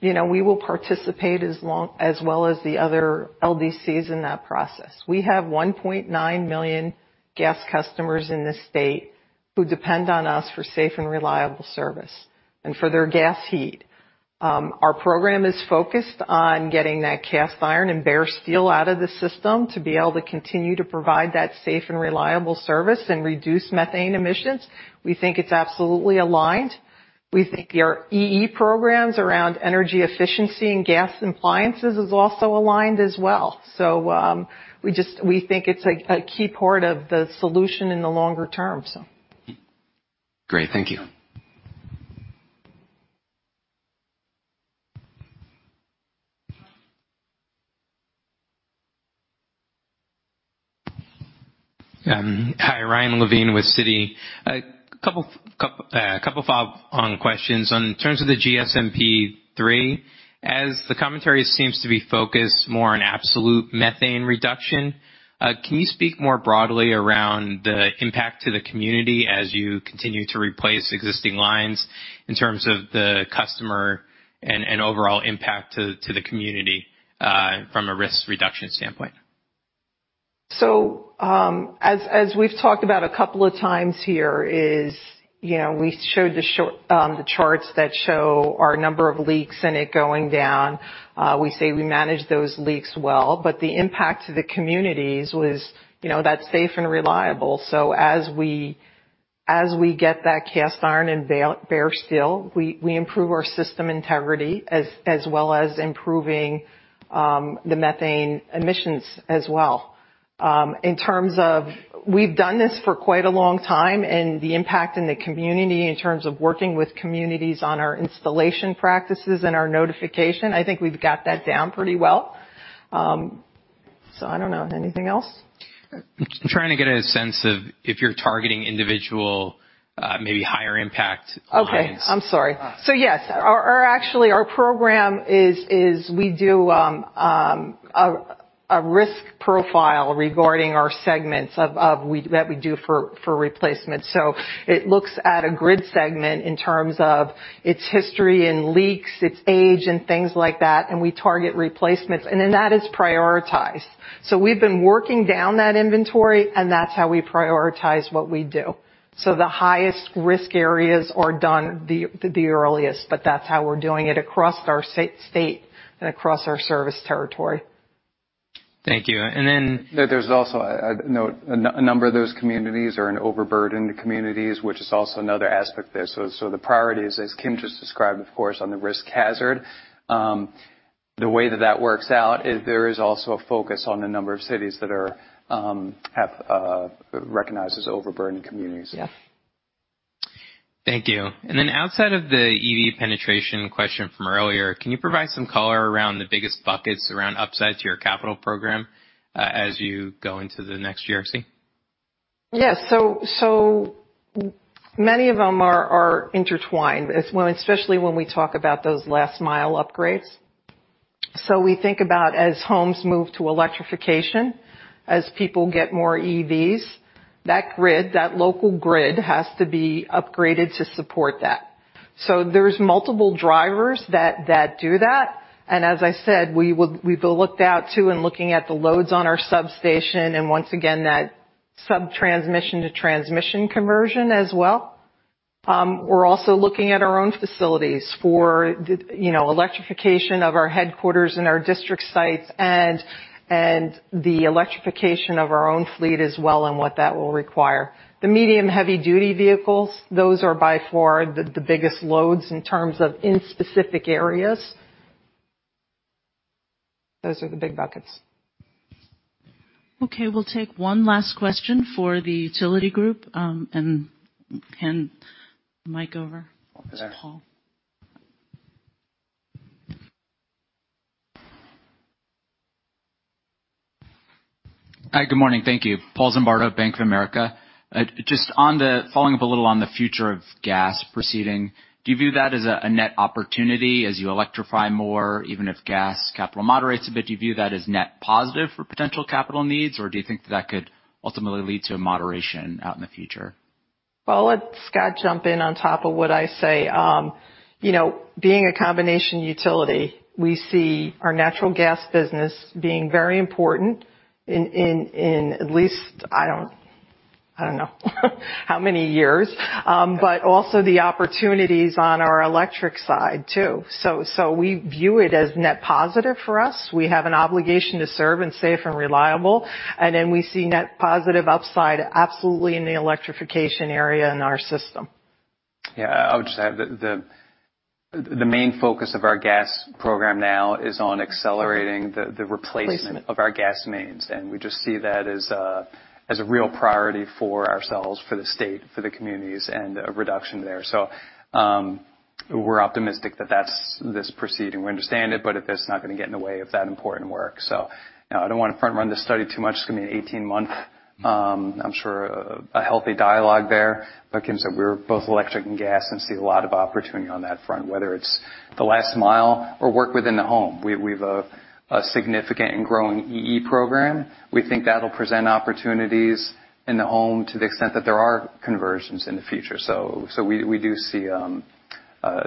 You know, we will participate as well as the other LDCs in that process. We have 1.9 million gas customers in the state who depend on us for safe and reliable service and for their gas heat. Our program is focused on getting that cast iron and bare steel out of the system to be able to continue to provide that safe and reliable service and reduce methane emissions. We think it's absolutely aligned. We think our EE programs around energy efficiency and gas appliances is also aligned as well. We just, we think it's a key part of the solution in the longer term, so. Great. Thank you. Hi, Ryan Levine with Citi. A couple of follow-on questions. On terms of the GSMP III, as the commentary seems to be focused more on absolute methane reduction, can you speak more broadly around the impact to the community as you continue to replace existing lines in terms of the customer and overall impact to the community from a risk reduction standpoint? As we've talked about a couple of times here is, you know, we showed the short, the charts that show our number of leaks in it going down. We say we manage those leaks well, the impact to the communities was, you know, that's safe and reliable. As we get that cast iron and bare steel, we improve our system integrity as well as improving the methane emissions as well. We've done this for quite a long time and the impact in the community in terms of working with communities on our installation practices and our notification, I think we've got that down pretty well. I don't know, anything else? I'm trying to get a sense of if you're targeting individual, maybe higher impact lines. Okay. I'm sorry. Yes. Our actually our program is we do a risk profile regarding our segments that we do for replacement. It looks at a grid segment in terms of its history and leaks, its age and things like that, and we target replacements, and then that is prioritized. We've been working down that inventory, and that's how we prioritize what we do. The highest risk areas are done the earliest, but that's how we're doing it across our state and across our service territory. Thank you. There's also a note, a number of those communities are in overburdened communities, which is also another aspect there. The priority is, as Kim just described, of course, on the risk hazard. The way that that works out is there is also a focus on the number of cities that are, have, recognized as overburdened communities. Yeah. Thank you. Outside of the EV penetration question from earlier, can you provide some color around the biggest buckets around upside to your capital program, as you go into the next GRC? Yes. Many of them are intertwined, well, especially when we talk about those last mile upgrades. We think about as homes move to electrification, as people get more EVs, that grid, that local grid has to be upgraded to support that. There's multiple drivers that do that. As I said, we've looked out too and looking at the loads on our substation and once again, that sub-transmission to transmission conversion as well. We're also looking at our own facilities for you know, electrification of our headquarters and our district sites and the electrification of our own fleet as well and what that will require. The medium heavy-duty vehicles, those are by far the biggest loads in terms of in specific areas. Those are the big buckets. Okay. We'll take one last question for the utility group, hand the mic over to Paul. Hi, good morning. Thank you. Paul Zimbardo, Bank of America. Following up a little on the future of gas proceeding, do you view that as a net opportunity as you electrify more, even if gas capital moderates a bit, do you view that as net positive for potential capital needs, or do you think that could ultimately lead to a moderation out in the future? Let Scott jump in on top of what I say. You know, being a combination utility, we see our Natural Gas business being very important in at least, I don't know how many years. Also the opportunities on our electric side Ooo. We view it as net positive for us. We have an obligation to serve and safe and reliable, and then we see net positive upside absolutely in the electrification area in our system. Yeah. I would just add the main focus of our gas program now is on accelerating the replacement. Replacement. Of our gas mains. We just see that as a real priority for ourselves, for the state, for the communities, and a reduction there. We're optimistic that that's this proceeding. We understand it, that's not gonna get in the way of that important work. Now I don't wanna front-run this study too much. It's gonna be an 18-month, I'm sure a healthy dialogue there. Like Kim said, we're both electric and gas and see a lot of opportunity on that front, whether it's the last mile or work within the home. We've a significant and growing EE program. We think that'll present opportunities in the home to the extent that there are conversions in the future. We do see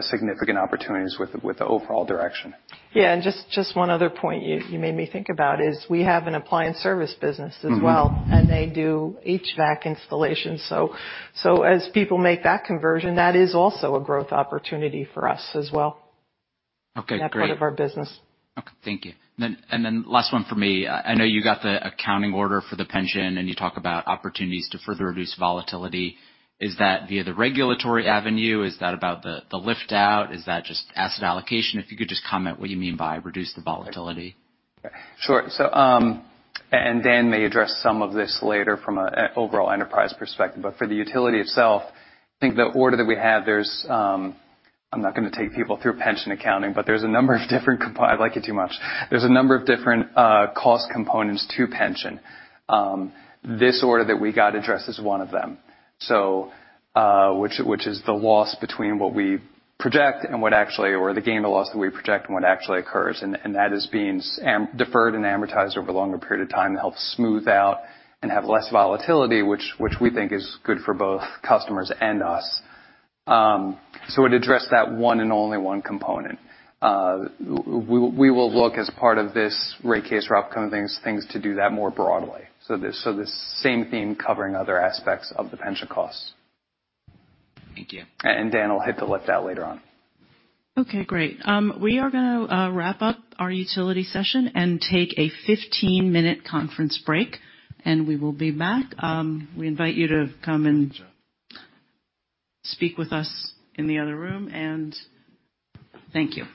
significant opportunities with the overall direction. Yeah. Just one other point you made me think about is we have an Appliance Service business as well. Mm-hmm. They do HVAC installation. As people make that conversion, that is also a growth opportunity for us as well. Okay, great. That part of our business. Okay. Thank you. Last one for me. I know you got the accounting order for the pension, and you talk about opportunities to further reduce volatility. Is that via the regulatory avenue? Is that about the lift out? Is that just asset allocation? If you could just comment what you mean by reduce the volatility. Sure. Dan may address some of this later from an overall enterprise perspective, but for the utility itself, I think the order that we have, I'm not gonna take people through pension accounting, but there's a number of different cost components to pension. This order that we got addresses one of them. Which is the loss between what we project and what actually or the gain or loss that we project and what actually occurs. That is being deferred and amortized over a longer period of time to help smooth out and have less volatility, which we think is good for both customers and us. It addressed that one and only one component. We will look as part of this rate case, Rob, coming things to do that more broadly. The same theme covering other aspects of the pension costs. Thank you. Dan will hit the lift out later on. Okay, great. We are gonna wrap up our utility session and take a 15-minute conference break, and we will be back. We invite you to come and speak with us in the other room, and thank you.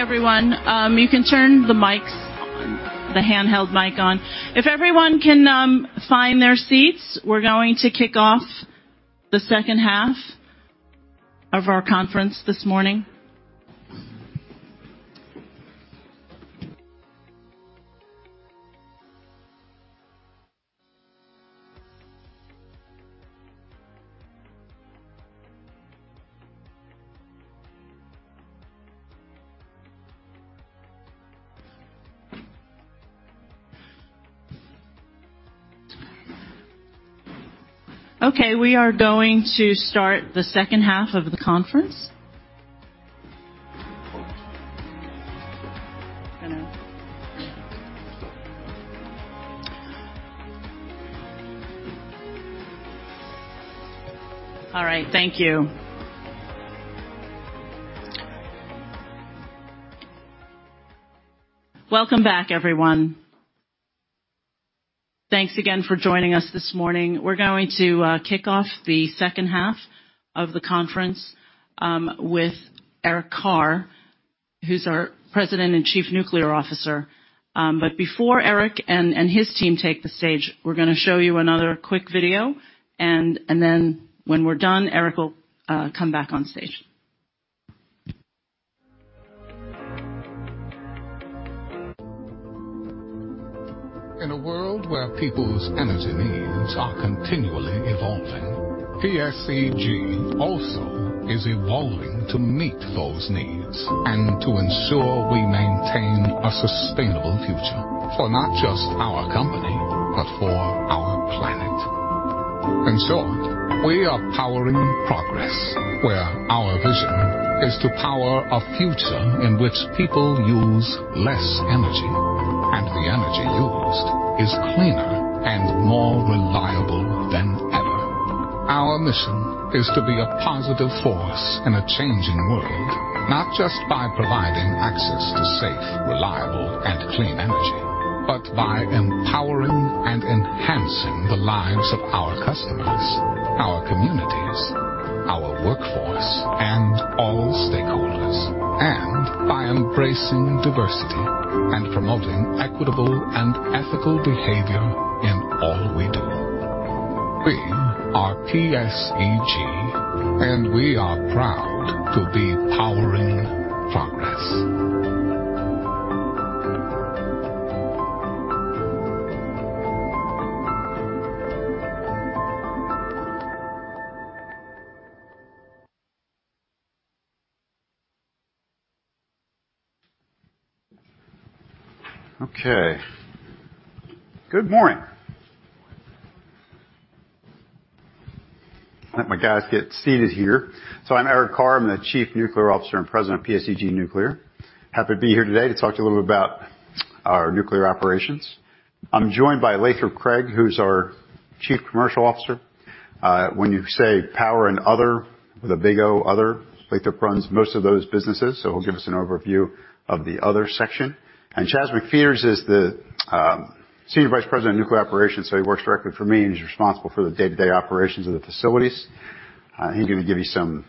Okay, everyone. You can turn the handheld mic on. If everyone can find their seats, we're going to kick off the second half of our conference this morning. Okay, we are going to start the second half of the conference. I know. All right. Thank you. Welcome back, everyone. Thanks again for joining us this morning. We're going to kick off the second half of the conference with Eric Carr, who's our President and Chief Nuclear Officer. Before Eric and his team take the stage, we're gonna show you another quick video, and then when we're done, Eric will come back on stage. In a world where people's energy needs are continually evolving, PSEG also is evolving to meet those needs and to ensure we maintain a sustainable future for not just our company but for our planet. We are Powering Progress where our vision is to power a future in which people use less energy, and the energy used is cleaner and more reliable than ever. Our mission is to be a positive force in a changing world, not just by providing access to safe, reliable, and clean energy, but by empowering and enhancing the lives of our customers, our communities, our workforce, and all stakeholders. By embracing diversity and promoting equitable and ethical behavior in all we do. We are PSEG, and we are proud to be Powering Progress. Okay. Good morning. Good morning. Let my guys get seated here. I'm Eric Carr. I'm the Chief Nuclear Officer and President of PSEG Nuclear. Happy to be here today to talk to you a little bit about our nuclear operations. I'm joined by Lathrop Craig, who's our Chief Commercial Officer. When you say power and other with a big O, other, Lathrop runs most of those businesses, so he'll give us an overview of the other section. Charles McFeaters is the Senior Vice President of Nuclear Operations, so he works directly for me, and he's responsible for the day-to-day operations of the facilities. He's gonna give you some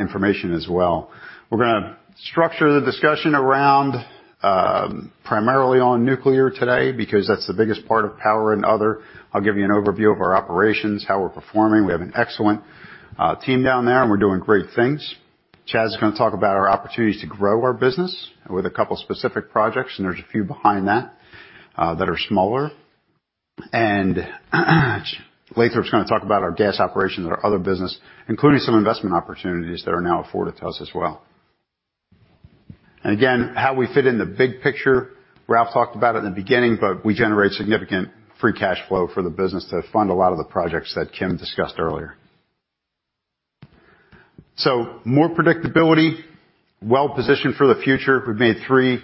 information as well. We're gonna structure the discussion around primarily on nuclear today because that's the biggest part of power and other. I'll give you an overview of our operations, how we're performing. We have an excellent team down there. We're doing great things. Charles is gonna talk about our opportunities to grow our business with a couple specific projects. There's a few behind that are smaller. Lathrop's gonna talk about our gas operations and our other business, including some investment opportunities that are now afforded to us as well. Again, how we fit in the big picture. Ralph talked about it at the beginning. We generate significant free cash flow for the business to fund a lot of the projects that Kim discussed earlier. More predictability, well-positioned for the future. We've made three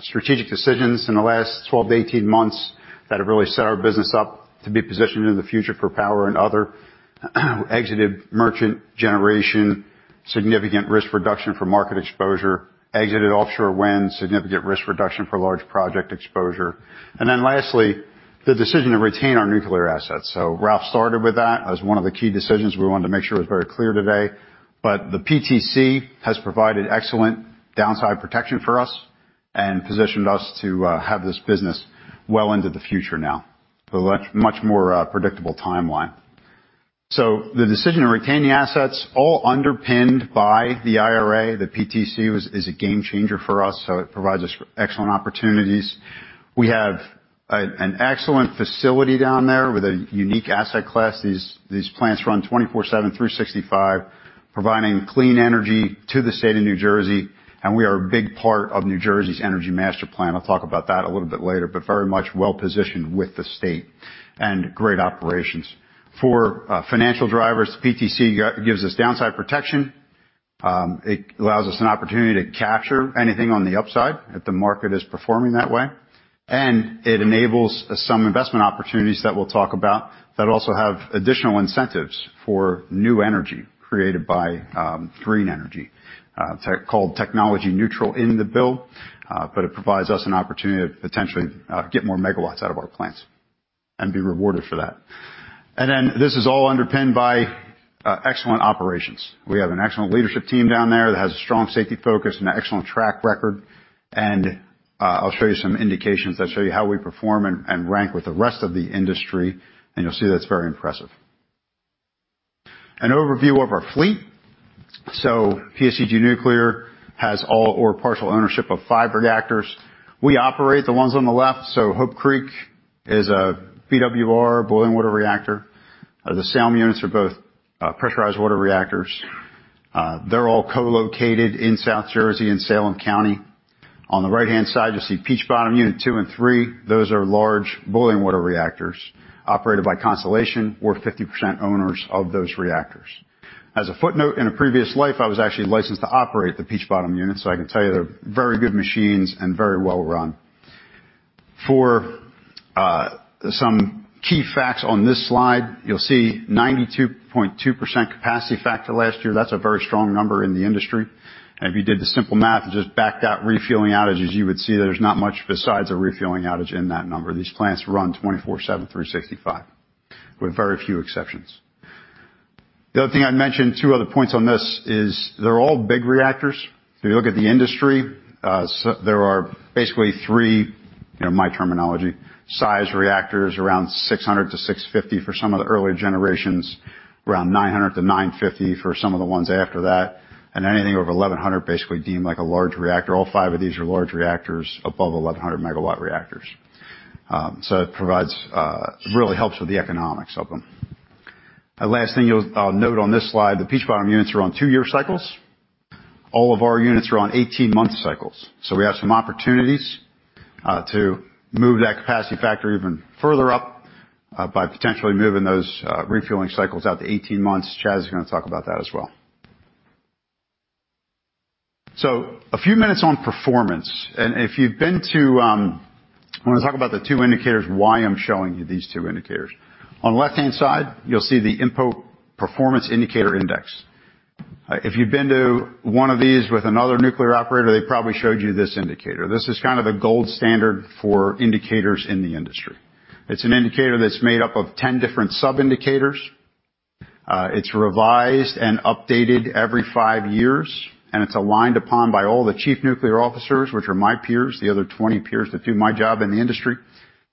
strategic decisions in the last 12 to 18 months that have really set our business up to be positioned in the future for Power and Other. Exited merchant generation, significant risk reduction for market exposure. Exited offshore wind, significant risk reduction for large project exposure. Lastly, the decision to retain our nuclear assets. Ralph started with that as one of the key decisions we wanted to make sure was very clear today. The PTC has provided excellent downside protection for us and positioned us to have this business well into the future now with a much more predictable timeline. The decision to retain the assets all underpinned by the IRA. The PTC is a game changer for us, so it provides us excellent opportunities. We have an excellent facility down there with a unique asset class. These plants run 24/7, 365, providing clean energy to the state of New Jersey, and we are a big part of New Jersey's energy master plan. I'll talk about that a little bit later, but very much well-positioned with the state and great operations. For financial drivers, PTC gives us downside protection. It allows us an opportunity to capture anything on the upside if the market is performing that way. It enables some investment opportunities that we'll talk about that also have additional incentives for new energy created by green energy, called technology neutral in the build. It provides us an opportunity to potentially get more megawatts out of our plants and be rewarded for that. This is all underpinned by excellent operations. We have an excellent leadership team down there that has a strong safety focus and an excellent track record. I'll show you some indications that show you how we perform and rank with the rest of the industry, and you'll see that's very impressive. An overview of our fleet. PSEG Nuclear has all or partial ownership of five reactors. We operate the ones on the left. Hope Creek is a BWR, boiling water reactor. The Salem units are both pressurized water reactors. They're all co-located in South Jersey and Salem County. On the right-hand side, you'll see Peach Bottom unit two and two. Those are large boiling water reactors operated by Constellation. We're 50% owners of those reactors. As a footnote, in a previous life, I was actually licensed to operate the Peach Bottom units, so I can tell you they're very good machines and very well run. For some key facts on this slide, you'll see 92.2% capacity factor last year. That's a very strong number in the industry. If you did the simple math and just backed out refueling outages, you would see that there's not much besides a refueling outage in that number. These plants run 24/7 through 65 with very few exceptions. The other thing I'd mention, two other points on this is they're all big reactors. If you look at the industry, there are basically three, in my terminology, size reactors around 600-650 for some of the earlier generations, around 900-950 for some of the ones after that, and anything over 1,100 basically deemed like a large reactor. All five of these are large reactors above 1,100 MW reactors. It really helps with the economics of them. Last thing I'll note on this slide, the Peach Bottom units are on two-year cycles. All of our units are on 18-month cycles. We have some opportunities to move that capacity factor even further up by potentially moving those refueling cycles out to 18 months. Charles is gonna talk about that as well. A few minutes on performance. If you've been to, I wanna talk about the two indicators, why I'm showing you these two indicators. On the left-hand side, you'll see the INPO Performance Indicator Index. If you've been to one of these with another nuclear operator, they probably showed you this indicator. This is kind of a gold standard for indicators in the industry. It's an indicator that's made up of 10 different sub-indicators. It's revised and updated every two years, and it's aligned upon by all the chief nuclear officers, which are my peers, the other 20 peers that do my job in the industry,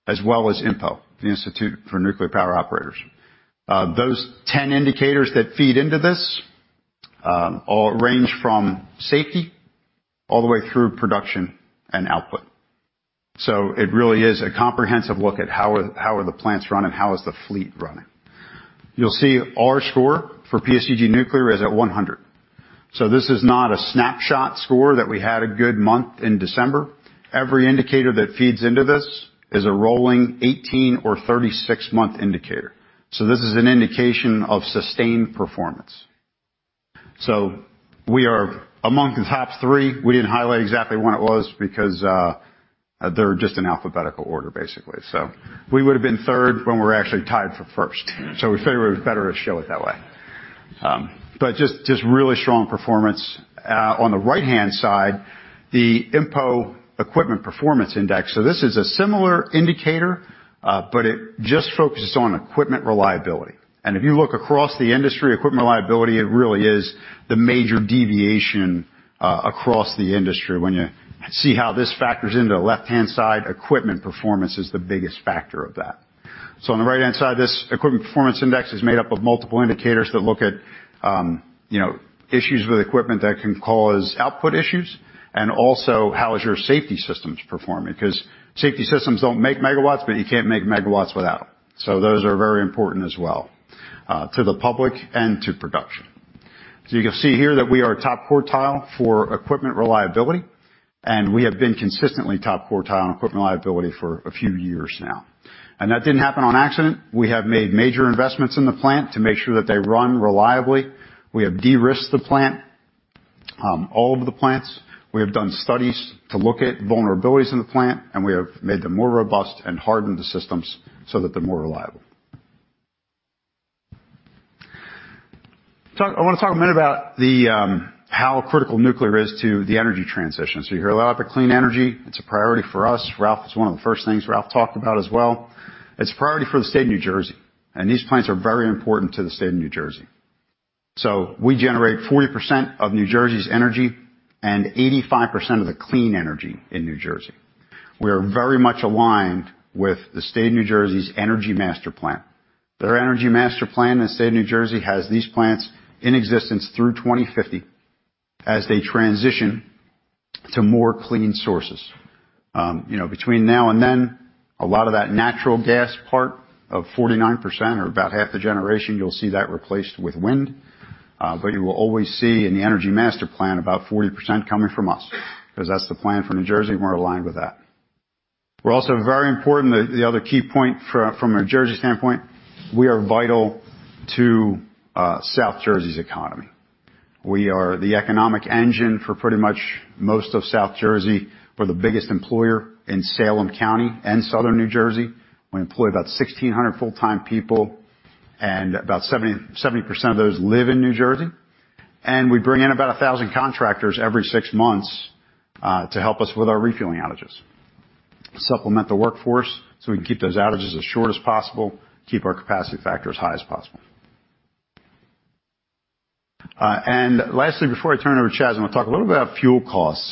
as well as INPO, the Institute of Nuclear Power Operations. Those 10 indicators that feed into this all range from safety all the way through production and output. It really is a comprehensive look at how are the plants running, how is the fleet running. You'll see our score for PSEG Nuclear is at 100. This is not a snapshot score that we had a good month in December. Every indicator that feeds into this is a rolling 18 or 36 month indicator. This is an indication of sustained performance. We are among the top three. We didn't highlight exactly what it was because they're just in alphabetical order, basically. We would have been third when we're actually tied for first. We figured it was better to show it that way. Just really strong performance. On the right-hand side, the INPO Equipment Performance Index. This is a similar indicator, but it just focuses on equipment reliability. If you look across the industry, equipment reliability, it really is the major deviation across the industry. When you see how this factors into the left-hand side, equipment performance is the biggest factor of that. On the right-hand side, this Equipment Performance Index is made up of multiple indicators that look at, you know, issues with equipment that can cause output issues and also how is your safety systems performing 'cause safety systems don't make megawatts, but you can't make megawatts without. Those are very important as well, to the public and to production. You can see here that we are top quartile for equipment reliability, and we have been consistently top quartile on equipment reliability for a few years now. That didn't happen on accident. We have made major investments in the plant to make sure that they run reliably. We have de-risked the plant, all of the plants. We have done studies to look at vulnerabilities in the plant, and we have made them more robust and hardened the systems so that they're more reliable. I wanna talk a minute about how critical nuclear is to the energy transition. You hear a lot about clean energy. It's a priority for us. Ralph, it's one of the first things Ralph talked about as well. It's a priority for the state of New Jersey, and these plants are very important to the state of New Jersey. We generate 40% of New Jersey's energy and 85% of the clean energy in New Jersey. We are very much aligned with the state of New Jersey's energy master plan. Their energy master plan in the state of New Jersey has these plants in existence through 2050 as they transition to more clean sources. You know, between now and then, a lot of that natural gas part of 49% or about half the generation, you'll see that replaced with wind. You will always see in the energy master plan about 40% coming from us because that's the plan for New Jersey, and we're aligned with that. We're also very important. The other key point from a Jersey standpoint, we are vital to South Jersey's economy. We are the economic engine for pretty much most of South Jersey. We're the biggest employer in Salem County and Southern New Jersey. We employ about 1,600 full-time people and about 70% of those live in New Jersey. We bring in about 1,000 contractors every six months to help us with our refueling outages, supplement the workforce, so we can keep those outages as short as possible, keep our capacity factor as high as possible. Lastly, before I turn it over to Charles, I wanna talk a little bit about fuel costs.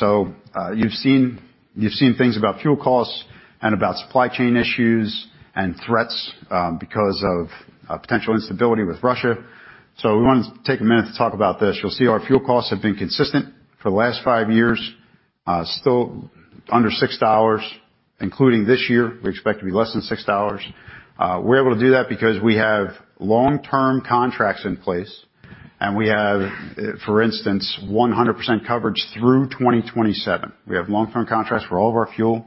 You've seen things about fuel costs and about supply chain issues and threats because of potential instability with Russia. We wanna take a minute to talk about this. You'll see our fuel costs have been consistent for the last five years, still under $6. Including this year, we expect to be less than $6. We're able to do that because we have long-term contracts in place, and we have, for instance, 100% coverage through 2027. We have long-term contracts for all of our fuel,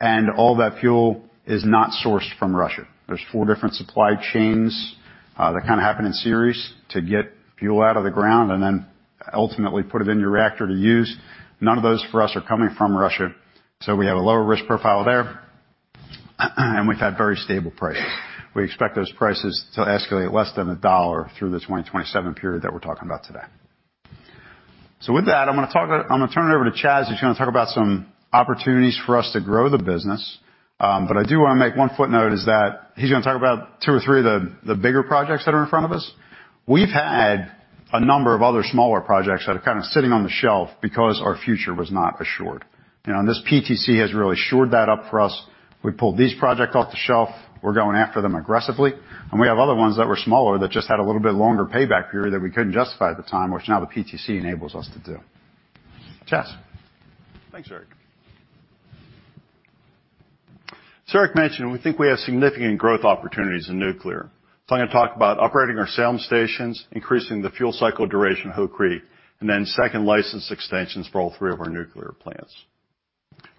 and all that fuel is not sourced from Russia. There's four different supply chains that kind of happen in series to get fuel out of the ground and then ultimately put it in your reactor to use. None of those for us are coming from Russia, so we have a lower risk profile there, and we've had very stable prices. We expect those prices to escalate less than $1 through the 2027 period that we're talking about today. With that, I'm gonna turn it over to Charles, who's gonna talk about some opportunities for us to grow the business. I do wanna make one footnote is that he's gonna talk about two or three of the bigger projects that are in front of us. We've had a number of other smaller projects that are kind of sitting on the shelf because our future was not assured. You know, this PTC has really assured that up for us. We pulled these projects off the shelf. We're going after them aggressively. We have other ones that were smaller that just had a little bit longer payback period that we couldn't justify at the time, which now the PTC enables us to do. Charles. Thanks, Eric. Eric mentioned, we think we have significant growth opportunities in nuclear. I'm gonna talk about operating our Salem stations, increasing the fuel cycle duration at Hope Creek, and then second license extensions for all three of our nuclear plants.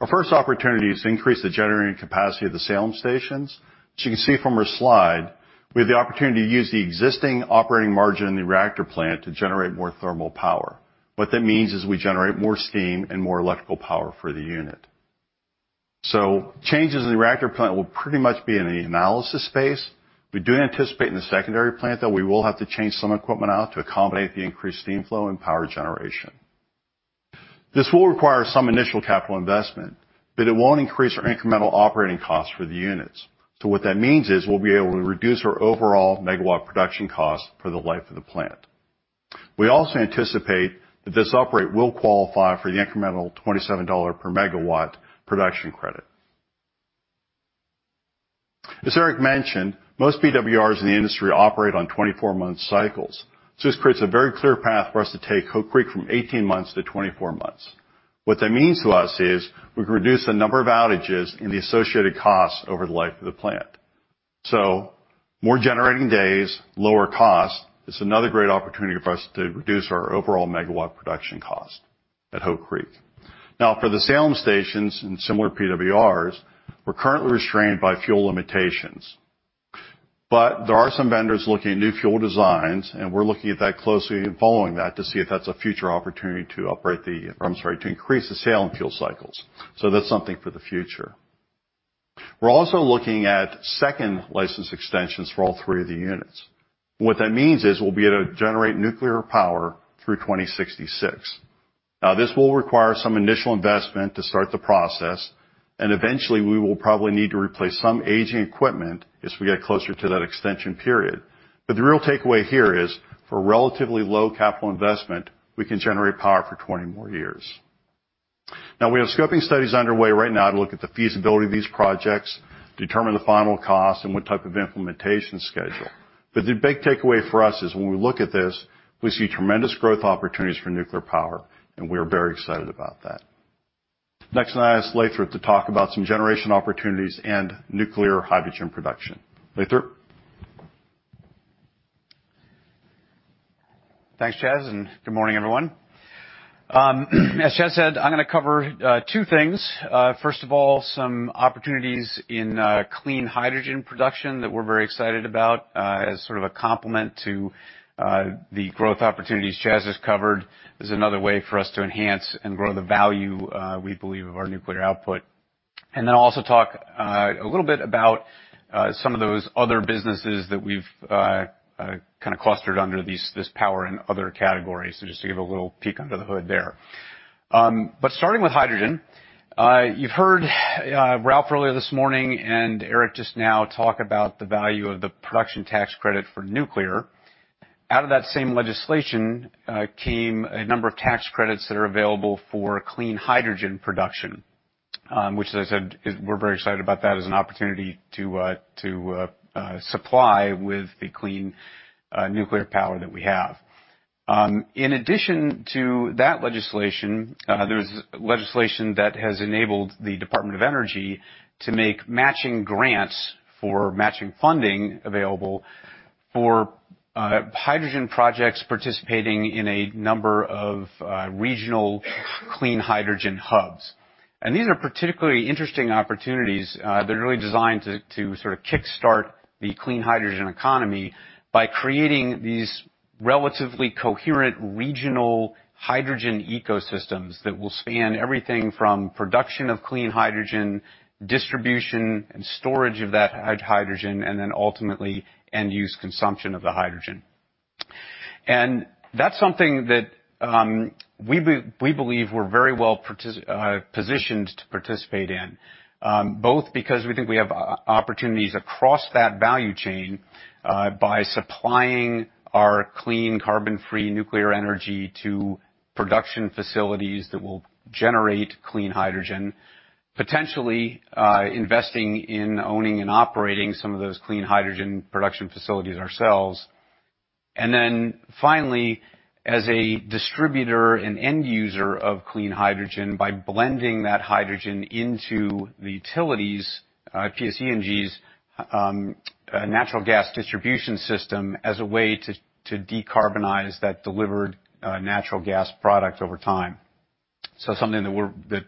Our first opportunity is to increase the generating capacity of the Salem stations. As you can see from our slide, we have the opportunity to use the existing operating margin in the reactor plant to generate more thermal power. What that means is we generate more steam and more electrical power for the unit. Changes in the reactor plant will pretty much be in the analysis space. We do anticipate in the secondary plant, though, we will have to change some equipment out to accommodate the increased steam flow and power generation. This will require some initial capital investment, but it won't increase our incremental operating costs for the units. What that means is we'll be able to reduce our overall megawatt production cost for the life of the plant. We also anticipate that this operate will qualify for the incremental $27 per megawatt production credit. As Eric mentioned, most PWRs in the industry operate on 24 month cycles. This creates a very clear path for us to take Hope Creek from 18 months to 24 months. What that means to us is we can reduce the number of outages and the associated costs over the life of the plant. More generating days, lower cost. It's another great opportunity for us to reduce our overall megawatt production cost at Hope Creek. Now, for the Salem stations and similar PWRs, we're currently restrained by fuel limitations. There are some vendors looking at new fuel designs, and we're looking at that closely and following that to see if that's a future opportunity to operate the, sorry, to increase the Salem fuel cycles. That's something for the future. We're also looking at second license extensions for all three of the units. What that means is we'll be able to generate nuclear power through 2066. This will require some initial investment to start the process, and eventually, we will probably need to replace some aging equipment as we get closer to that extension period. The real takeaway here is, for relatively low capital investment, we can generate power for 20 more years. We have scoping studies underway right now to look at the feasibility of these projects, determine the final cost and what type of implementation schedule. The big takeaway for us is when we look at this, we see tremendous growth opportunities for nuclear power, and we are very excited about that. Next, I ask Lathrop to talk about some generation opportunities and nuclear hydrogen production. Lathrop. Thanks, Charles, good morning, everyone. As Charles said, I'm gonna cover two things. First of all, some opportunities in clean hydrogen production that we're very excited about, as sort of a complement to the growth opportunities Charles has covered. This is another way for us to enhance and grow the value, we believe, of our nuclear output. I'll also talk a little bit about some of those other businesses that we've kind of clustered under these, this Power and Other categories, so just to give a little peek under the hood there. Starting with hydrogen, you've heard Ralph earlier this morning and Eric just now talk about the value of the production tax credit for nuclear. Out of that same legislation, came a number of tax credits that are available for clean hydrogen production, which as I said, is we're very excited about that as an opportunity to supply with the clean nuclear power that we have. In addition to that legislation, there's legislation that has enabled the Department of Energy to make matching grants for matching funding available for hydrogen projects participating in a number of regional clean hydrogen hubs. These are particularly interesting opportunities that are really designed to sort of kickstart the clean hydrogen economy by creating these relatively coherent regional hydrogen ecosystems that will span everything from production of clean hydrogen, distribution, and storage of that hydrogen, and then ultimately end-use consumption of the hydrogen. That's something that we believe we're very well positioned to participate in, both because we think we have opportunities across that value chain, by supplying our clean carbon-free nuclear energy to production facilities that will generate clean hydrogen, potentially, investing in owning and operating some of those clean hydrogen production facilities ourselves. Finally, as a distributor and end user of clean hydrogen by blending that hydrogen into the utilities, PSEG's natural gas distribution system as a way to decarbonize that delivered natural gas product over time. Something that that, you know,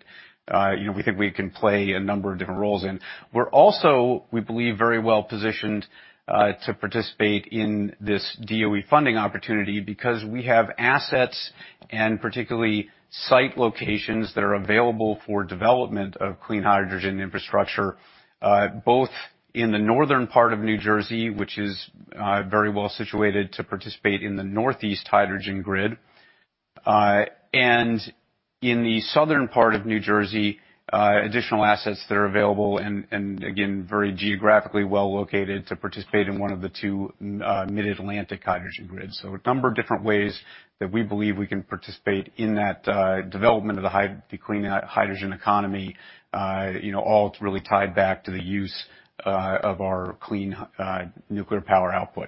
we think we can play a number of different roles in. We're also believe, very well-positioned, to participate in this DOE funding opportunity because we have assets, and particularly site locations that are available for development of clean hydrogen infrastructure, both in the northern part of New Jersey, which is very well-situated to participate in the Northeast hydrogen grid. In the southern part of New Jersey, additional assets that are available, and again, very geographically well located to participate in one of the two, Mid-Atlantic hydrogen grids. A number of different ways that we believe we can participate in that development of the clean hydrogen economy, you know, all to really tied back to the use of our clean nuclear power output.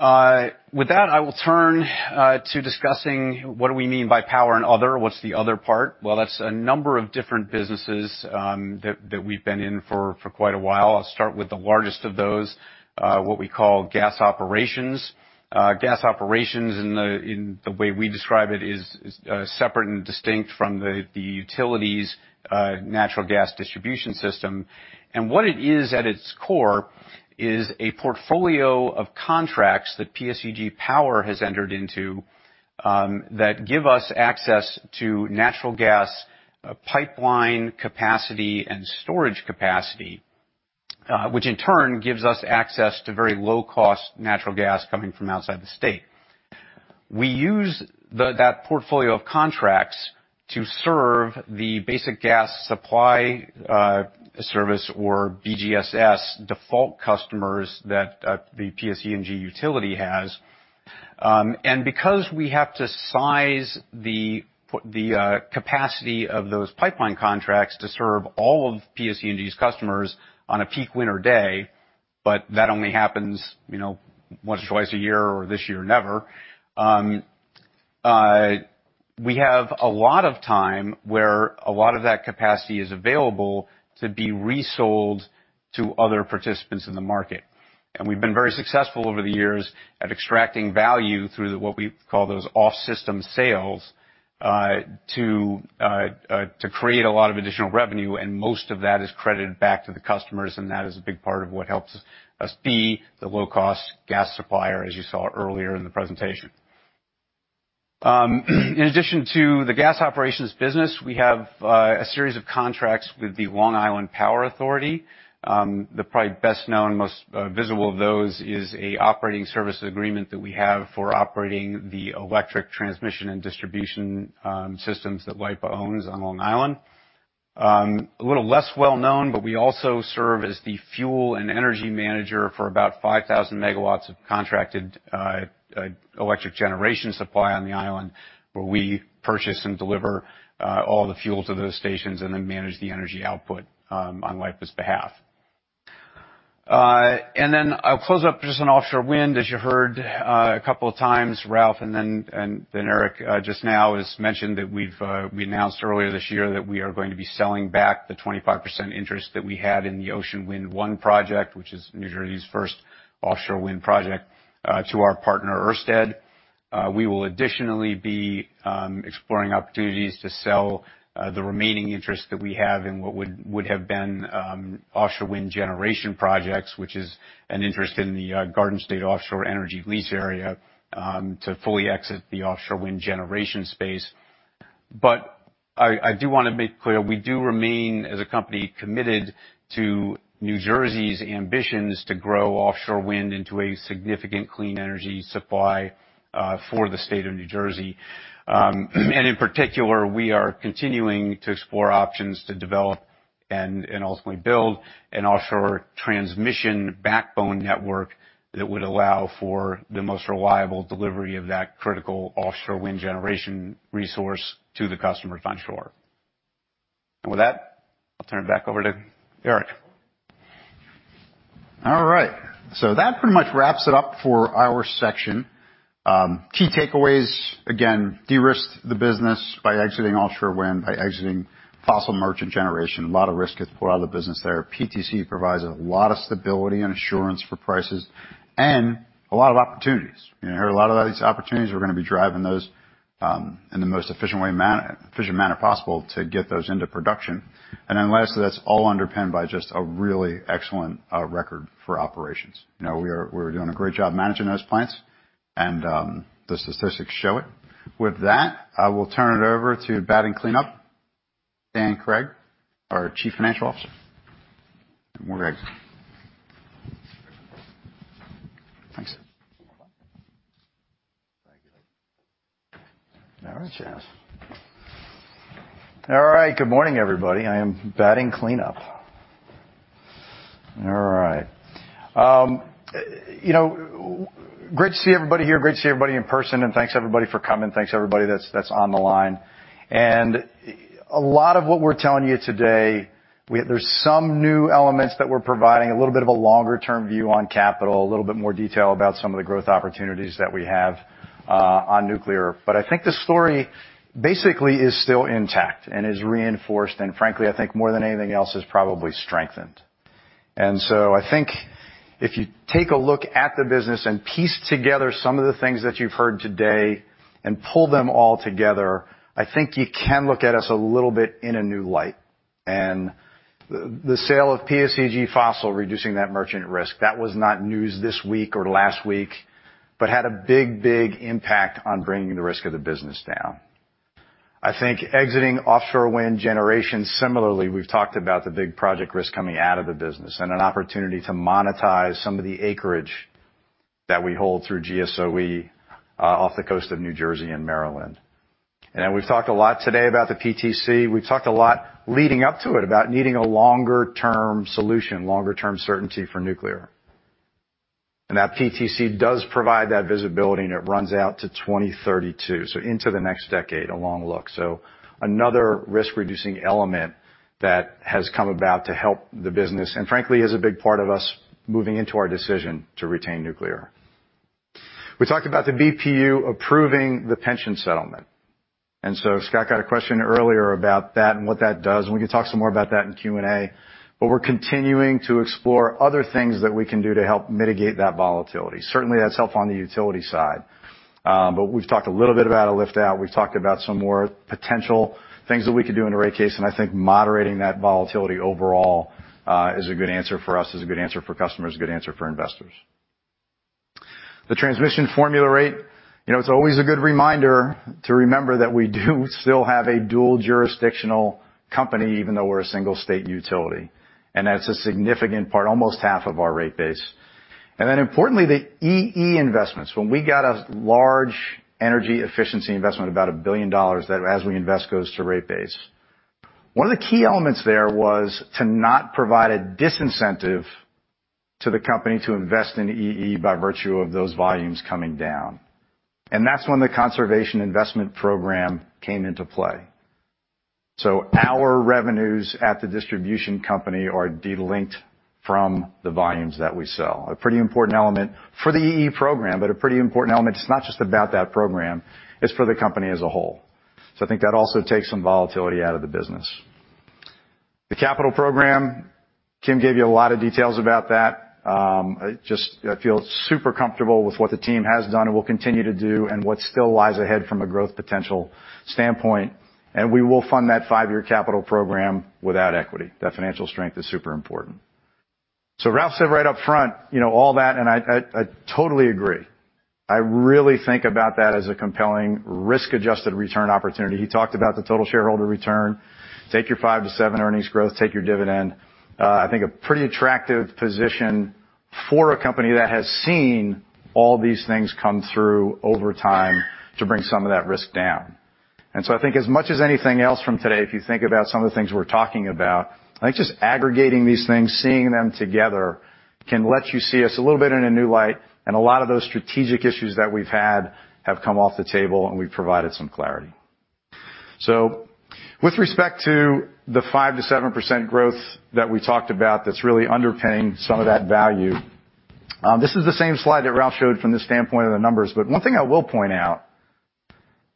With that, I will turn to discussing what do we mean by power and other. What's the other part? Well, that's a number of different businesses that we've been in for quite a while. I'll start with the largest of those, what we call gas operations. Gas operations in the way we describe it is separate and distinct from the utilities' natural gas distribution system. What it is at its core is a portfolio of contracts that PSEG Power has entered into that give us access to natural gas pipeline capacity and storage capacity, which in turn gives us access to very low-cost natural gas coming from outside the state. We use that portfolio of contracts to serve the basic gas supply service or BGSS default customers that the PSEG utility has. Because we have to size the capacity of those pipeline contracts to serve all of PSEG's customers on a peak winter day, but that only happens, you know, once or twice a year, or this year, never. We have a lot of time where a lot of that capacity is available to be resold to other participants in the market. We've been very successful over the years at extracting value through what we call those off-system sales, to create a lot of additional revenue, and most of that is credited back to the customers, and that is a big part of what helps us be the low-cost gas supplier, as you saw earlier in the presentation. In addition to the gas operations business, we have a series of contracts with the Long Island Power Authority. The probably best-known, most visible of those is a operating service agreement that we have for operating the electric transmission and distribution systems that LIPA owns on Long Island. A little less well-known, but we also serve as the fuel and energy manager for about 5,000 MW of contracted electric generation supply on the island, where we purchase and deliver all the fuel to those stations and then manage the energy output on LIPA's behalf. I'll close up just on offshore wind. As you heard, a couple of times, Ralph and then Eric just now has mentioned that we announced earlier this year that we are going to be selling back the 25% interest that we had in the Ocean Wind 1 project, which is New Jersey's first offshore wind project, to our partner, Ørsted. We will additionally be exploring opportunities to sell the remaining interest that we have in what would have been offshore wind generation projects, which is an interest in the Garden State Offshore Energy lease area, to fully exit the offshore wind generation space. I do wanna make clear, we do remain, as a company, committed to New Jersey's ambitions to grow offshore wind into a significant clean energy supply for the state of New Jersey. In particular, we are continuing to explore options to develop and ultimately build an offshore transmission backbone network that would allow for the most reliable delivery of that critical offshore wind generation resource to the customers onshore. With that, I'll turn it back over to Eric. All right. That pretty much wraps it up for our section. Key takeaways, again, de-risk the business by exiting offshore wind, by exiting fossil merchant generation. A lot of risk gets pulled out of the business there. PTC provides a lot of stability and assurance for prices and a lot of opportunities. You know, a lot of these opportunities, we're gonna be driving those in the most efficient manner possible to get those into production. Lastly, that's all underpinned by just a really excellent record for operations. You know, we're doing a great job managing those plants and the statistics show it. With that, I will turn it over to batting cleanup, Dan Cregg, our Chief Financial Officer. Come on, Cregg. Thanks. Thank you. All right, Carr. All right. Good morning, everybody. I am batting cleanup. All right. You know, great to see everybody here, great to see everybody in person, and thanks everybody for coming. Thanks everybody that's on the line. A lot of what we're telling you today. There's some new elements that we're providing, a little bit of a longer-term view on capital, a little bit more detail about some of the growth opportunities that we have on nuclear. I think the story basically is still intact and is reinforced, and frankly, I think more than anything else, is probably strengthened. I think if you take a look at the business and piece together some of the things that you've heard today and pull them all together, I think you can look at us a little bit in a new light. The sale of PSEG Fossil, reducing that merchant risk, that was not news this week or last week, but had a big impact on bringing the risk of the business down. I think exiting offshore wind generation, similarly, we've talked about the big project risk coming out of the business and an opportunity to monetize some of the acreage that we hold through GSOE, off the coast of New Jersey and Maryland. Then we've talked a lot today about the PTC. We've talked a lot leading up to it about needing a longer-term solution, longer-term certainty for nuclear. That PTC does provide that visibility, and it runs out to 2032, so into the next decade, a long look. Frankly, is a big part of us moving into our decision to retain nuclear. So Scott got a question earlier about that and what that does, and we can talk some more about that in Q&A. We're continuing to explore other things that we can do to help mitigate that volatility. Certainly, that's helped on the utility side, we've talked a little bit about a lift-out. We've talked about some more potential things that we could do in a rate case, I think moderating that volatility overall, is a good answer for us, is a good answer for customers, a good answer for investors. The transmission formula rate, you know, it's always a good reminder to remember that we do still have a dual jurisdictional company, even though we're a single state utility. That's a significant part, almost half of our rate base. Importantly, the EE investments. When we got a large energy efficiency investment, about $1 billion that, as we invest, goes to rate base. One of the key elements there was to not provide a disincentive to the company to invest in EE by virtue of those volumes coming down. That's when the Conservation Incentive Program came into play. Our revenues at the distribution company are delinked from the volumes that we sell. A pretty important element for the EE program, but a pretty important element. It's not just about that program, it's for the company as a whole. I think that also takes some volatility out of the business. The capital program, Kim gave you a lot of details about that. I just, I feel super comfortable with what the team has done and will continue to do and what still lies ahead from a growth potential standpoint. We will fund that five-year capital program without equity. That financial strength is super important. Ralph said right up front, you know all that, I totally agree. I really think about that as a compelling risk-adjusted return opportunity. He talked about the total shareholder return. Take your 5%-7% earnings growth, take your dividend. I think a pretty attractive position for a company that has seen all these things come through over time to bring some of that risk down. I think as much as anything else from today, if you think about some of the things we're talking about, I think just aggregating these things, seeing them together, can let you see us a little bit in a new light. A lot of those strategic issues that we've had have come off the table, and we've provided some clarity. With respect to the 5%-7% growth that we talked about, that's really underpinning some of that value, this is the same slide that Ralph showed from the standpoint of the numbers. One thing I will point out,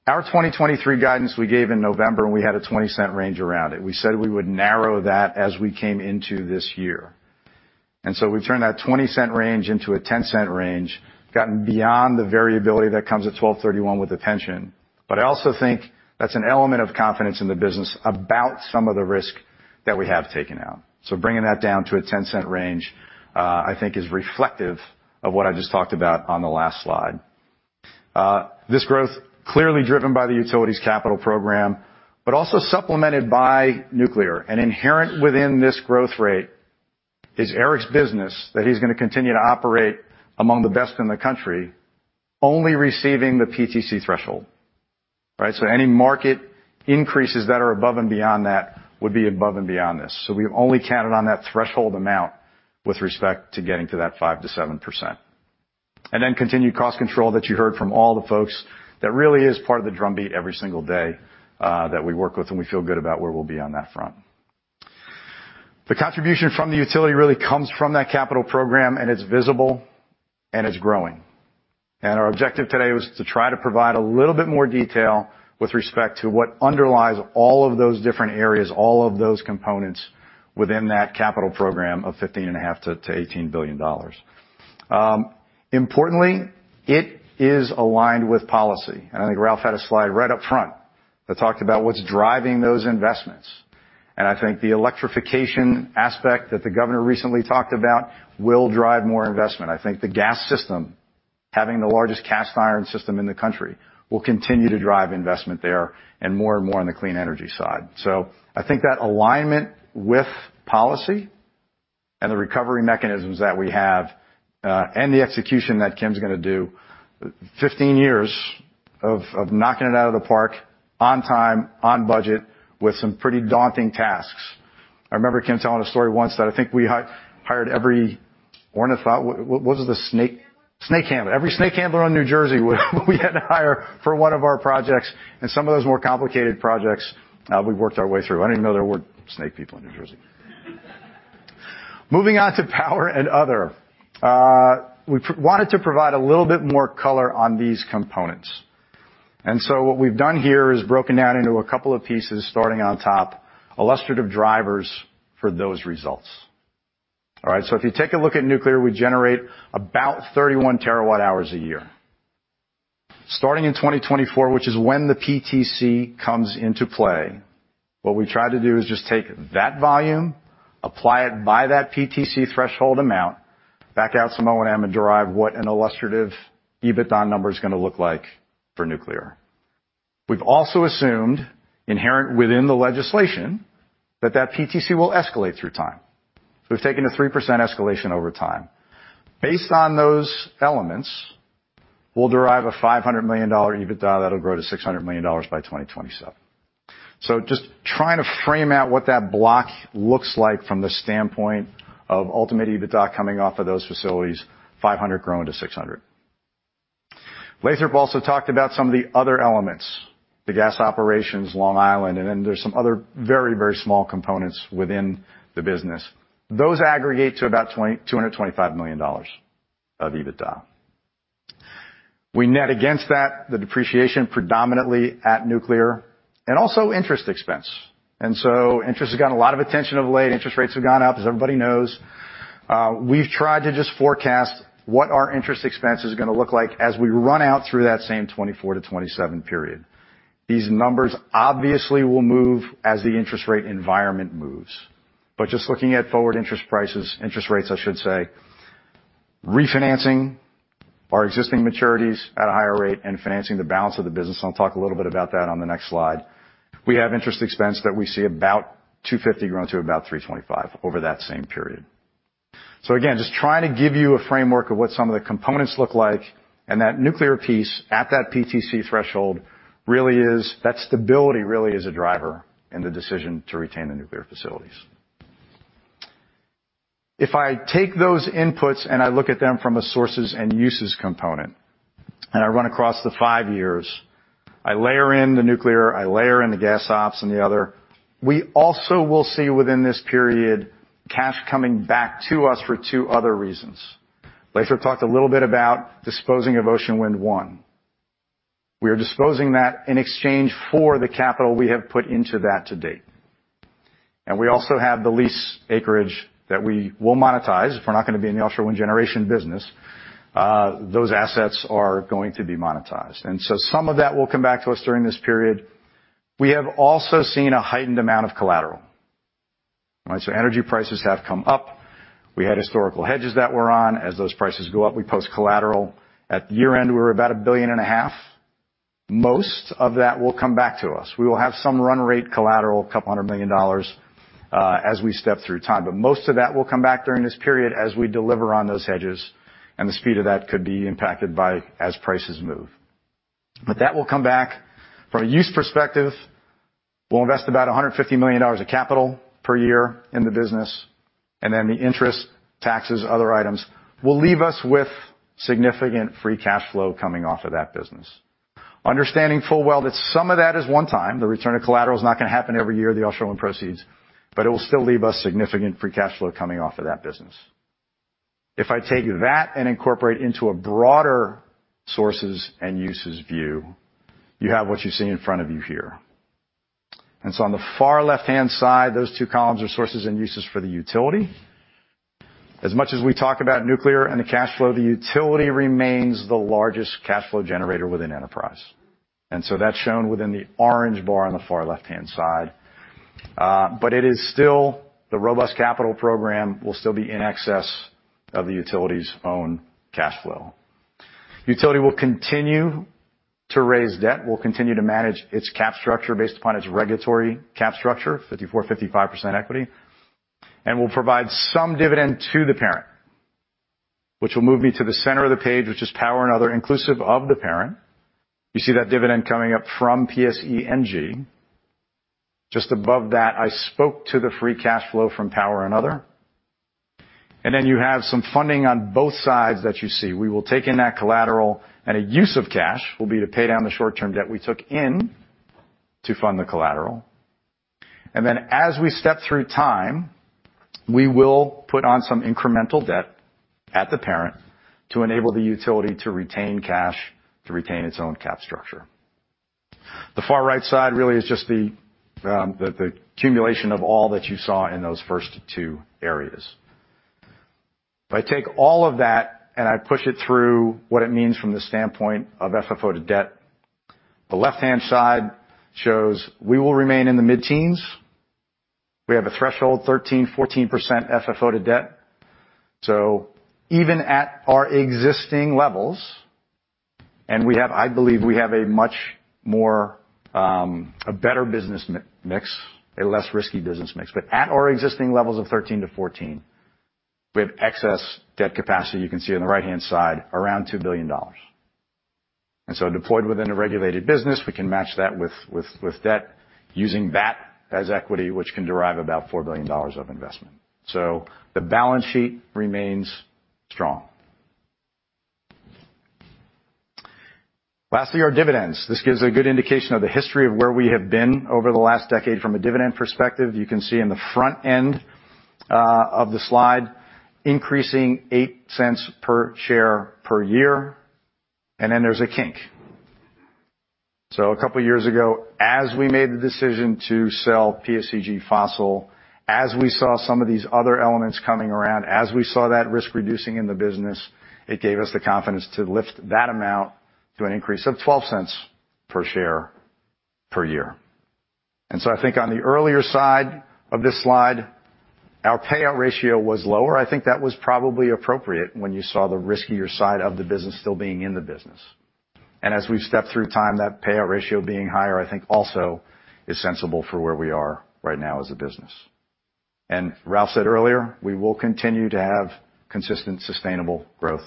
our 2023 guidance we gave in November, and we had a $0.20 range around it. We said we would narrow that as we came into this year. We've turned that $0.20 range into a $0.10 range, gotten beyond the variability that comes at 12/31 with the pension. I also think that's an element of confidence in the business about some of the risk that we have taken out. Bringing that down to a $0.10 range, I think is reflective of what I just talked about on the last slide. This growth clearly driven by the utilities capital program, but also supplemented by Nuclear. Inherent within this growth rate is Eric's business that he's gonna continue to operate among the best in the country, only receiving the PTC threshold, right? Any market increases that are above and beyond that would be above and beyond this. We have only counted on that threshold amount with respect to getting to that 5%-7%. Continued cost control that you heard from all the folks, that really is part of the drumbeat every single day, that we work with, and we feel good about where we'll be on that front. The contribution from the utility really comes from that capital program, and it's visible, and it's growing. Our objective today was to try to provide a little bit more detail with respect to what underlies all of those different areas, all of those components within that capital program of $15.5 billion-$18 billion. Importantly, it is aligned with policy. I think Ralph had a slide right up front that talked about what's driving those investments. I think the electrification aspect that the governor recently talked about will drive more investment. I think the gas system, having the largest cast iron system in the country, will continue to drive investment there and more and more on the clean energy side. I think that alignment with policy and the recovery mechanisms that we have, and the execution that Kim's gonna do, 15 years of knocking it out of the park on time, on budget with some pretty daunting tasks. I remember Kim telling a story once that I think we wouldn't have thought. What is the snake? Snake handler. Every snake handler in New Jersey we had to hire for one of our projects and some of those more complicated projects we worked our way through. I didn't even know there were snake people in New Jersey. Moving on to power and other. We wanted to provide a little bit more color on these components. What we've done here is broken down into a couple of pieces starting on top, illustrative drivers for those results. All right. If you take a look at nuclear, we generate about 31 TWh a year. Starting in 2024, which is when the PTC comes into play, what we try to do is just take that volume, apply it by that PTC threshold amount, back out some O&M, and derive what an illustrative EBITDA number is gonna look like for nuclear. We've also assumed inherent within the legislation that that PTC will escalate through time. We've taken a 3% escalation over time. Based on those elements, we'll derive a $500 million EBITDA that'll grow to $600 million by 2027. Just trying to frame out what that block looks like from the standpoint of ultimate EBITDA coming off of those facilities, $500 million growing to $600 million. Lathrop also talked about some of the other elements, the gas operations, Long Island, and then there's some other very, very small components within the business. Those aggregate to about $225 million of EBITDA. We net against that, the depreciation predominantly at nuclear and also interest expense. Interest has gotten a lot of attention of late. Interest rates have gone up, as everybody knows. We've tried to just forecast what our interest expense is gonna look like as we run out through that same 2024 to 2027 period. These numbers obviously will move as the interest rate environment moves. Just looking at forward interest prices, interest rates, I should say, refinancing our existing maturities at a higher rate and financing the balance of the business, and I'll talk a little bit about that on the next slide. We have interest expense that we see about $250 growing to about $325 over that same period. Again, just trying to give you a framework of what some of the components look like, and that nuclear piece at that PTC threshold, that stability really is a driver in the decision to retain the nuclear facilities. If I take those inputs and I look at them from a sources and uses component, and I run across the five years, I layer in the nuclear, I layer in the gas ops and the other. We also will see within this period, cash coming back to us for two other reasons. Lathrop talked a little bit about disposing of Ocean Wind 1. We are disposing that in exchange for the capital we have put into that to date. We also have the lease acreage that we will monetize. If we're not gonna be in the offshore Wind Generation business , those assets are going to be monetized. Some of that will come back to us during this period. We have also seen a heightened amount of collateral. All right? Energy prices have come up. We had historical hedges that were on. As those prices go up, we post collateral. At year-end, we were about $1.5 billion. Most of that will come back to us. We will have some run rate collateral, $200 million, as we step through time. Most of that will come back during this period as we deliver on those hedges, and the speed of that could be impacted by as prices move. That will come back. From a use perspective, we'll invest about $150 million of capital per year in the business, and then the interest, taxes, other items, will leave us with significant free cash flow coming off of that business. Understanding full well that some of that is one time. The return of collateral is not gonna happen every year, the offshore wind proceeds, but it will still leave us significant free cash flow coming off of that business. If I take that and incorporate into a broader sources and uses view, you have what you see in front of you here. On the far left-hand side, those two columns are sources and uses for the utility. As much as we talk about nuclear and the cash flow, the utility remains the largest cash flow generator within Enterprise. That's shown within the orange bar on the far left-hand side. It is still the robust capital program will still be in excess of the utility's own cash flow. Utility will continue to raise debt. We'll continue to manage its cap structure based upon its regulatory cap structure, 54%-55% equity, and we'll provide some dividend to the parent, which will move me to the center of the page, which is power and other, inclusive of the parent. You see that dividend coming up from PSE&G. Just above that, I spoke to the free cash flow from power and other. You have some funding on both sides that you see. We will take in that collateral, and a use of cash will be to pay down the short-term debt we took in to fund the collateral. As we step through time, we will put on some incremental debt at the parent to enable the utility to retain cash, to retain its own cap structure. The far right side really is just the accumulation of all that you saw in those first two areas. If I take all of that and I push it through what it means from the standpoint of FFO to debt, the left-hand side shows we will remain in the mid-teens. We have a threshold 13%, 14% FFO to debt. Even at our existing levels, and I believe we have a much more, a better business mix, a less risky business mix. At our existing levels of 13%-14%, we have excess debt capacity, you can see on the right-hand side, around $2 billion. Deployed within a regulated business, we can match that with debt using that as equity, which can derive about $4 billion of investment. The balance sheet remains strong. Lastly, our dividends. This gives a good indication of the history of where we have been over the last decade from a dividend perspective. You can see in the front end of the slide, increasing $0.08 per share per year, and then there's a kink. A couple years ago, as we made the decision to sell PSEG Fossil, as we saw some of these other elements coming around, as we saw that risk reducing in the business, it gave us the confidence to lift that amount to an increase of $0.12 per share per year. I think on the earlier side of this slide, our payout ratio was lower. I think that was probably appropriate when you saw the riskier side of the business still being in the business. As we've stepped through time, that payout ratio being higher, I think also is sensible for where we are right now as a business. Ralph said earlier, we will continue to have consistent, sustainable growth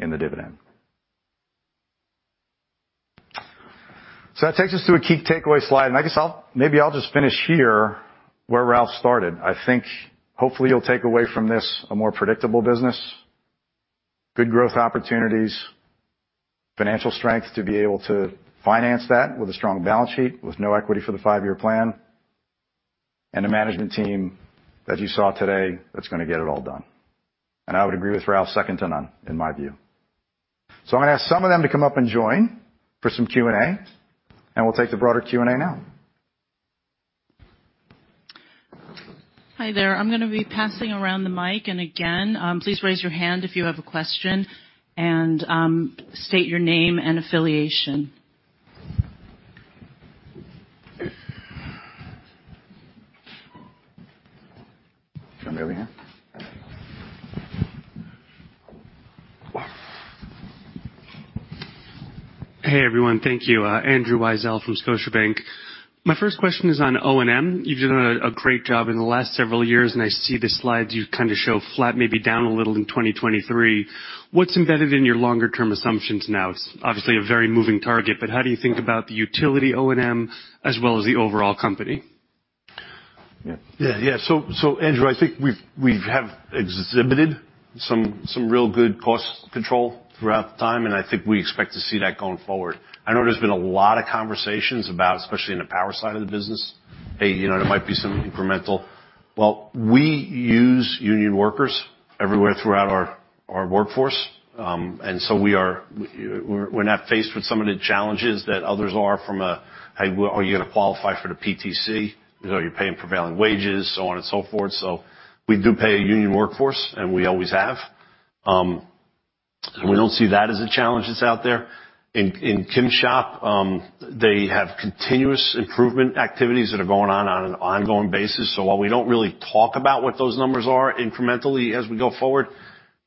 in the dividend. That takes us to a key takeaway slide. I guess maybe I'll just finish here where Ralph started. I think hopefully you'll take away from this a more predictable business, good growth opportunities, financial strength to be able to finance that with a strong balance sheet, with no equity for the five-year plan, and a management team, as you saw today, that's gonna get it all done. I would agree with Ralph, second to none, in my view. I'm gonna ask some of them to come up and join for some Q&A, and we'll take the broader Q&A now. Hi there. I'm gonna be passing around the mic. Again, please raise your hand if you have a question, and, state your name and affiliation. Do you want me over here? Hey, everyone. Thank you. Andrew Weisel from Scotiabank. My first question is on O&M. You've done a great job in the last several years, and I see the slides you kinda show flat, maybe down a little in 2023. What's embedded in your longer term assumptions now? It's obviously a very moving target, but how do you think about the utility O&M as well as the overall company? Yeah. Yeah. Andrew, I think we've exhibited some real good cost control throughout time, and I think we expect to see that going forward. I know there's been a lot of conversations about, especially in the power side of the business, hey, you know, there might be some incremental. Well, we use union workers everywhere throughout our workforce, we're not faced with some of the challenges that others are from a, "Hey, are you gonna qualify for the PTC? Are you paying prevailing wages?" On and so forth. We do pay a union workforce, and we always have. We don't see that as a challenge that's out there. In Kim's shop, they have continuous improvement activities that are going on on an ongoing basis. While we don't really talk about what those numbers are incrementally as we go forward,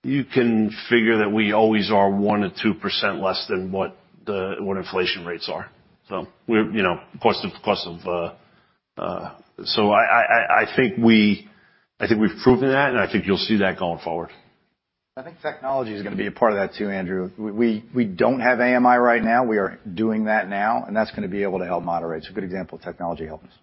you can figure that we always are 1%-2% less than what inflation rates are. I think we've proven that, and I think you'll see that going forward. I think technology is gonna be a part of that too, Andrew. We don't have AMI right now. We are doing that now, and that's gonna be able to help moderate. A good example of technology helping us.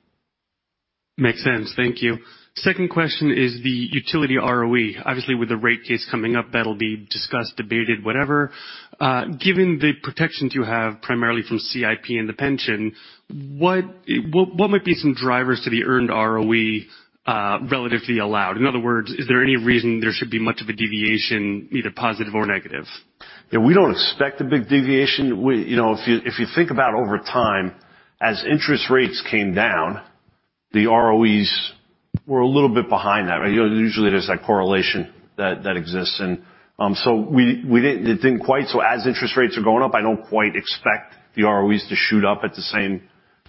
Makes sense. Thank you. Second question is the utility ROE. Obviously, with the rate case coming up, that'll be discussed, debated, whatever. Given the protections you have primarily from CIP and the pension, what might be some drivers to the earned ROE, relative to the allowed? In other words, is there any reason there should be much of a deviation, either positive or negative? Yeah, we don't expect a big deviation. If you think about over time, as interest rates came down, the ROEs were a little bit behind that. You know, usually there's that correlation that exists. We, it didn't quite. As interest rates are going up, I don't quite expect the ROEs to shoot up at the same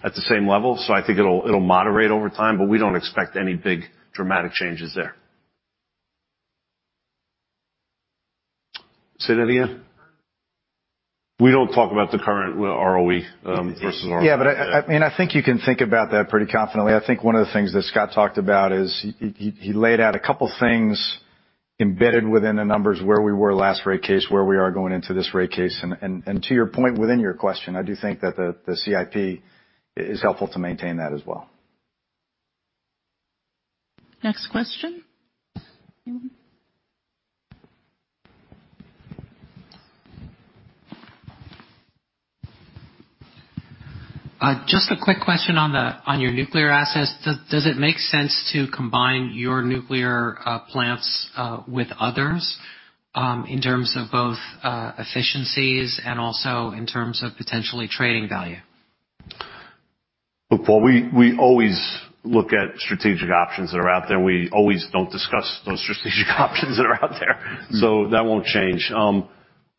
level. I think it'll moderate over time, but we don't expect any big dramatic changes there. Say that again. We don't talk about the current ROE versus our- Yeah. I mean, I think you can think about that pretty confidently. I think one of the things that Scott talked about is he laid out a couple things embedded within the numbers where we were last rate case, where we are going into this rate case. To your point within your question, I do think that the CIP is helpful to maintain that as well. Next question? Mm-hmm. Just a quick question on your nuclear assets. Does it make sense to combine your nuclear plants with others, in terms of both efficiencies and also in terms of potentially trading value? Look, Paul, we always look at strategic options that are out there. We always don't discuss those strategic options that are out there. That won't change.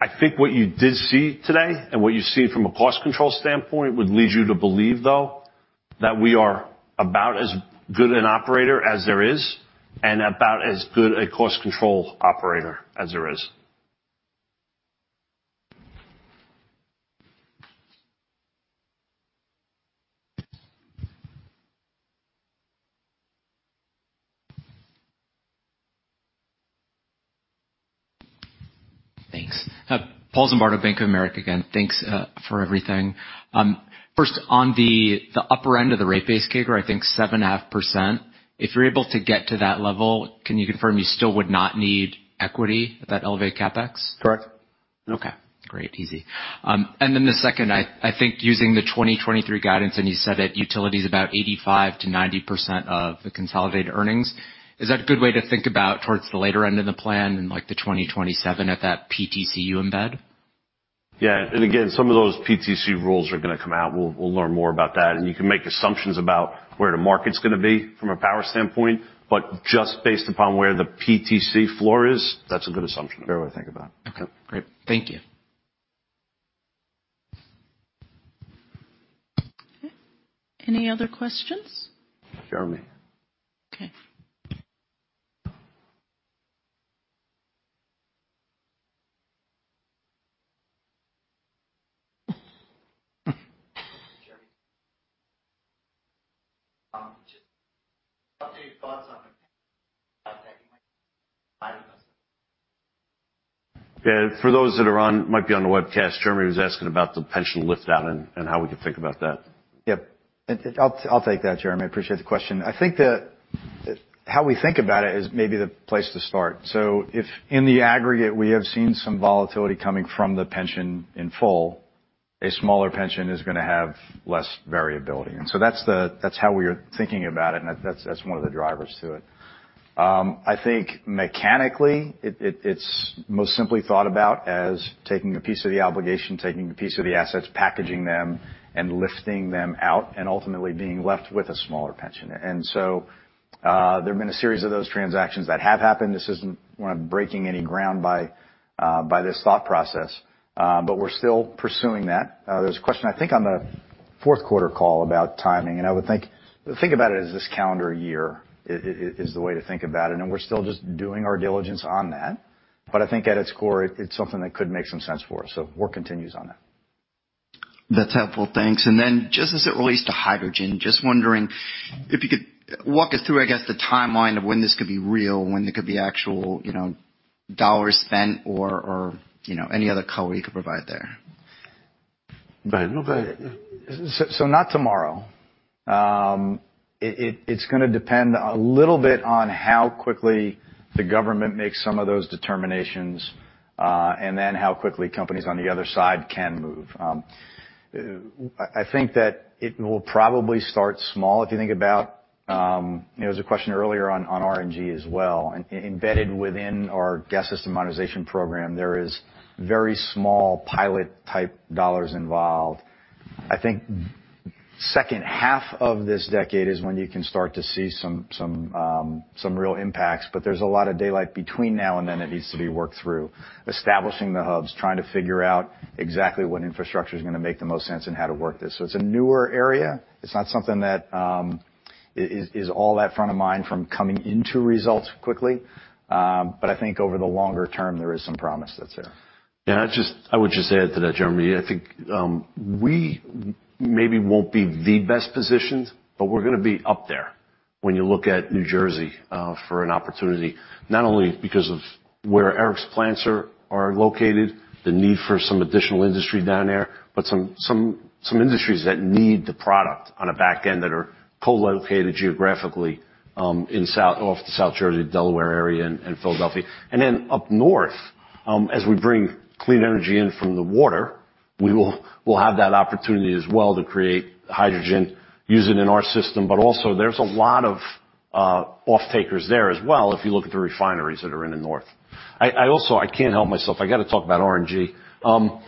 I think what you did see today and what you see from a cost control standpoint would lead you to believe, though, that we are about as good an operator as there is and about as good a cost control operator as there is. Thanks. Paul Zimbardo, Bank of America again. Thanks for everything. First on the upper end of the rate base CAGR, I think 7.5%. If you're able to get to that level, can you confirm you still would not need equity at that elevated CapEx? Correct. Okay, great. Easy. The second, I think using the 2023 guidance, you said that utility is about 85%-90% of the consolidated earnings. Is that a good way to think about towards the later end of the plan in, like, the 2027 at that PTC you embed? Yeah. Again, some of those PTC rules are going to come out. We'll learn more about that. You can make assumptions about where the market's going to be from a power standpoint. Just based upon where the PTC floor is, that's a good assumption, a fair way to think about it. Okay, great. Thank you. Okay. Any other questions? Jeremy. Okay. Jeremy, just update your thoughts on the Yeah. For those that might be on the webcast, Jeremy was asking about the pension lift-out and how we can think about that. Yep. I'll take that, Jeremy. I appreciate the question. I think that how we think about it is maybe the place to start. If in the aggregate, we have seen some volatility coming from the pension in full, a smaller pension is gonna have less variability. That's how we are thinking about it, and that's one of the drivers to it. I think mechanically it's most simply thought about as taking a piece of the obligation, taking a piece of the assets, packaging them, and lifting them out, and ultimately being left with a smaller pension. There have been a series of those transactions that have happened. This isn't one of breaking any ground by this thought process, but we're still pursuing that. There was a question, I think, on the fourth quarter call about timing, and I would think about it as this calendar year is the way to think about it. We're still just doing our diligence on that. I think at its core it's something that could make some sense for us. Work continues on that. That's helpful. Thanks. Then just as it relates to hydrogen, just wondering if you could walk us through, I guess, the timeline of when this could be real, when there could be actual, you know, dollars spent or, you know, any other color you could provide there. Dan, go ahead, yeah. Not tomorrow. It's gonna depend a little bit on how quickly the government makes some of those determinations, and then how quickly companies on the other side can move. I think that it will probably start small. If you think about. You know, there was a question earlier on RNG as well. Embedded within our Gas System Modernization Program, there is very small pilot-type dollars involved. I think second half of this decade is when you can start to see some real impacts, but there's a lot of daylight between now and then that needs to be worked through. Establishing the hubs, trying to figure out exactly what infrastructure is gonna make the most sense and how to work this. It's a newer area. It's not something that is all that front of mind from coming into results quickly. I think over the longer term, there is some promise that's there. I would just add to that, Jeremy, I think, we maybe won't be the best positioned, but we're gonna be up there when you look at New Jersey, for an opportunity, not only because of where Eric's plants are located, the need for some additional industry down there, but some industries that need the product on a back end that are co-located geographically, off the South Jersey, Delaware area and Philadelphia. Up north, as we bring clean energy in from the water, we'll have that opportunity as well to create hydrogen, use it in our system. Also there's a lot of off-takers there as well if you look at the refineries that are in the north. I also, I can't help myself, I gotta talk about RNG. You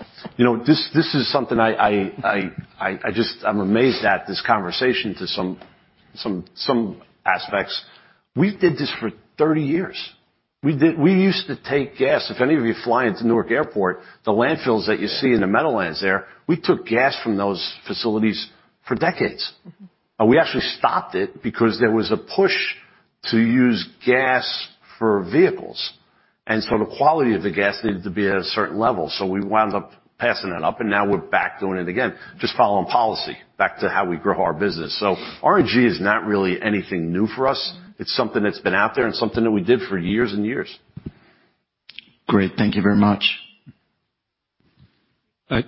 know, this is something I'm amazed at this conversation to some aspects. We did this for 30 years. We used to take gas. If any of you fly into Newark Airport, the landfills that you see in the Meadowlands there, we took gas from those facilities for decades. Mm-hmm. We actually stopped it because there was a push to use gas for vehicles. The quality of the gas needed to be at a certain level. We wound up passing that up, and now we're back doing it again, just following policy back to how we grow our business. RNG is not really anything new for us. Mm-hmm. It's something that's been out there and something that we did for years and years. Great. Thank you very much. All right.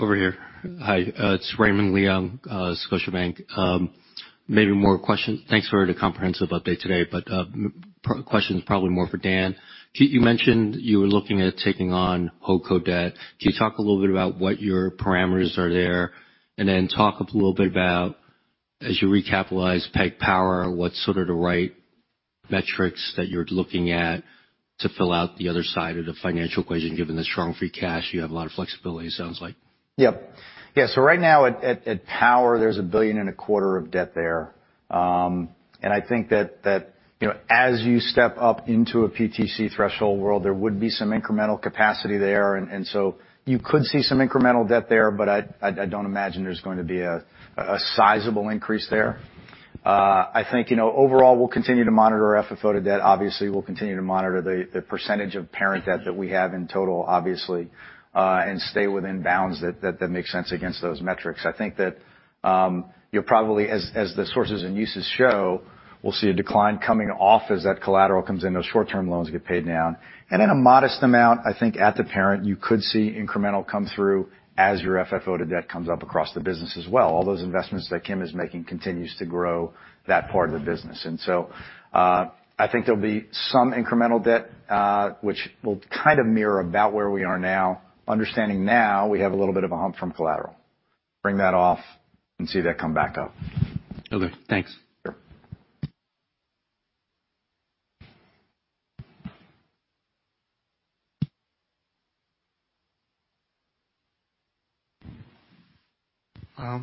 Over here. Hi, it's Raymond Leung, Scotiabank. Maybe more questions. Thanks for the comprehensive update today. Question is probably more for Dan. You mentioned you were looking at taking on HoldCo debt. Can you talk a little bit about what your parameters are there? Then talk a little bit about, as you recapitalize PSEG Power, what's sort of the right metrics that you're looking at to fill out the other side of the financial equation, given the strong free cash, you have a lot of flexibility, it sounds like? Yep. Yeah. Right now at PSEG Power, there's a billion and a quarter of debt there. I think that, you know, as you step up into a PTC threshold world, there would be some incremental capacity there and so you could see some incremental debt there, but I don't imagine there's going to be a sizable increase there. I think, you know, overall, we'll continue to monitor our FFO to debt. Obviously, we'll continue to monitor the percentage of parent debt that we have in total, obviously, and stay within bounds that make sense against those metrics. I think that, you'll probably, as the sources and uses show, we'll see a decline coming off as that collateral comes in, those short-term loans get paid down. A modest amount, I think at the parent, you could see incremental come through as your FFO to debt comes up across the business as well. All those investments that Kim is making continues to grow that part of the business. I think there'll be some incremental debt, which will kind of mirror about where we are now, understanding now we have a little bit of a hump from collateral. Bring that off and see that come back up. Okay, thanks. Sure.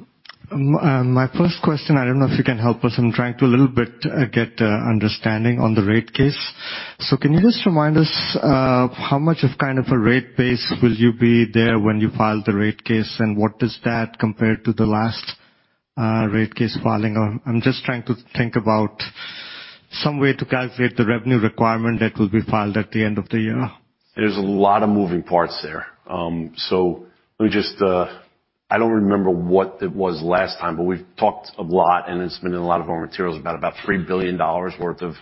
My first question, I don't know if you can help us. I'm trying to a little bit get understanding on the rate case. Can you just remind us of how much of kind of a rate base will you be there when you file the rate case? What is that compared to the last rate case filing? I'm just trying to think about some way to calculate the revenue requirement that will be filed at the end of the year. There's a lot of moving parts there. Let me just I don't remember what it was last time, but we've talked a lot, and it's been in a lot of our materials about $3 billion worth of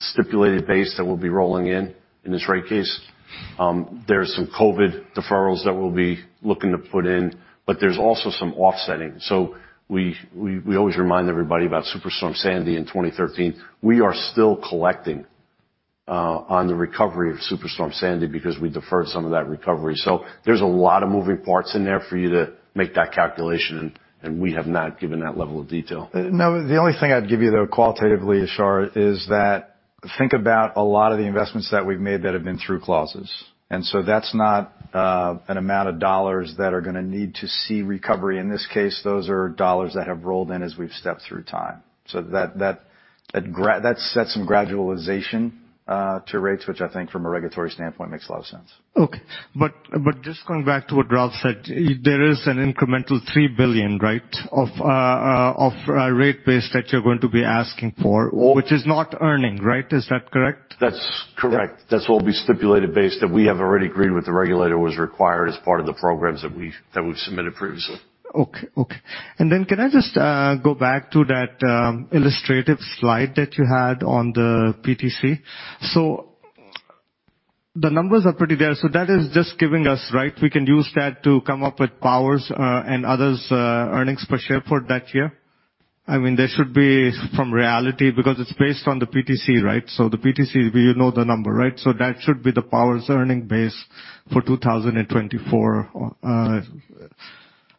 stipulated base that we'll be rolling in in this rate case. There's some COVID deferrals that we'll be looking to put in, but there's also some offsetting. We always remind everybody about Superstorm Sandy in 2013. We are still collecting on the recovery of Superstorm Sandy because we deferred some of that recovery. There's a lot of moving parts in there for you to make that calculation, and we have not given that level of detail. No, the only thing I'd give you, though, qualitatively, Shar, is that think about a lot of the investments that we've made that have been through clauses. That's not an amount of dollars that are gonna need to see recovery. In this case, those are dollars that have rolled in as we've stepped through time. That sets some gradualization to rates, which I think from a regulatory standpoint, makes a lot of sense. Okay. Just going back to what Ralph said, there is an incremental $3 billion, right, of rate base that you're going to be asking for. Well- Which is not earning, right? Is that correct? That's correct. That's what will be stipulated base that we have already agreed with the regulator was required as part of the programs that we, that we've submitted previously. Okay. Okay. Can I just go back to that illustrative slide that you had on the PTC? The numbers are pretty there. That is just giving us, right, we can use that to come up with Power's, and others', earnings per share for that year? I mean, they should be from reality because it's based on the PTC, right? The PTC, you know the number, right? That should be the Power's earning base for 2024,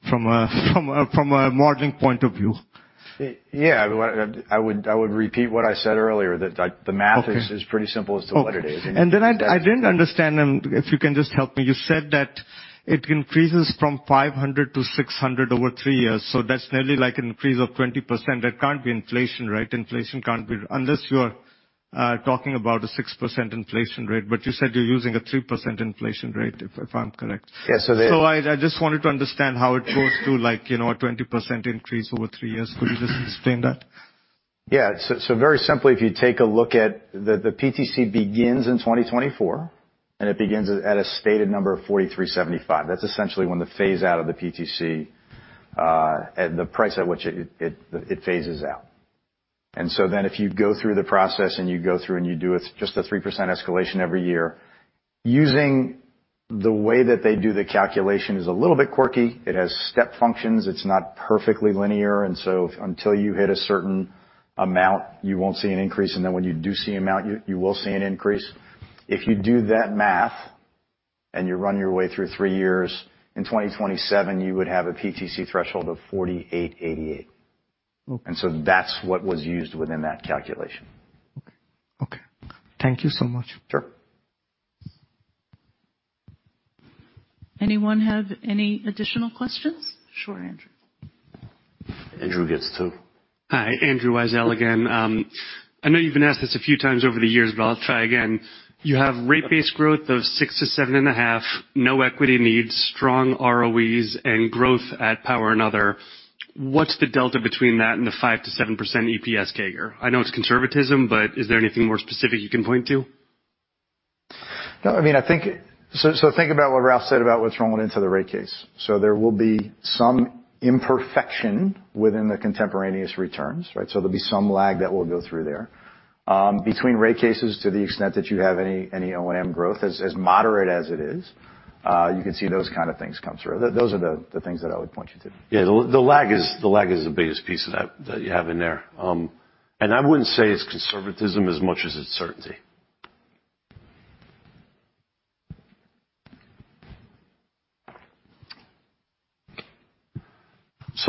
from a modeling point of view. Yeah. What I would repeat what I said earlier, that the Okay. The math is pretty simple as to what it is. Okay. I didn't understand, if you can just help me. You said that it increases from 500 to 600 over three years, that's nearly like an increase of 20%. That can't be inflation, right? Unless you're talking about a 6% inflation rate, you said you're using a 3% inflation rate, if I'm correct. Yeah. I just wanted to understand how it goes to like, you know, a 20% increase over three years. Could you just explain that? Very simply, if you take a look at the PTC begins in 2024, and it begins at a stated number of $43.75. That's essentially when the phase out of the PTC at the price at which it phases out. If you go through the process and you go through and you do it's just a 3% escalation every year, using the way that they do the calculation is a little bit quirky. It has step functions. It's not perfectly linear, and so until you hit a certain amount, you won't see an increase. Then when you do see amount, you will see an increase. If you do that math and you run your way through three years, in 2027, you would have a PTC threshold of $48.88. Okay. That's what was used within that calculation. Okay. Okay. Thank you so much. Sure. Anyone have any additional questions? Sure, Andrew. Andrew gets two. Hi. Andrew Weisel again. I know you've been asked this a few times over the years, but I'll try again. You have rate-based growth of 6%-7.5%, no equity needs, strong ROEs, and growth at Power and Other. What's the delta between that and the 5%-7% EPS CAGR? I know it's conservatism, but is there anything more specific you can point to? No. I mean, I think think about what Ralph said about what's rolling into the rate case. There will be some imperfection within the contemporaneous returns, right? There'll be some lag that we'll go through there. Between rate cases, to the extent that you have any O&M growth, as moderate as it is, you can see those kind of things come through. Those are the things that I would point you to. Yeah. The lag is the biggest piece that you have in there. I wouldn't say it's conservatism as much as it's certainty.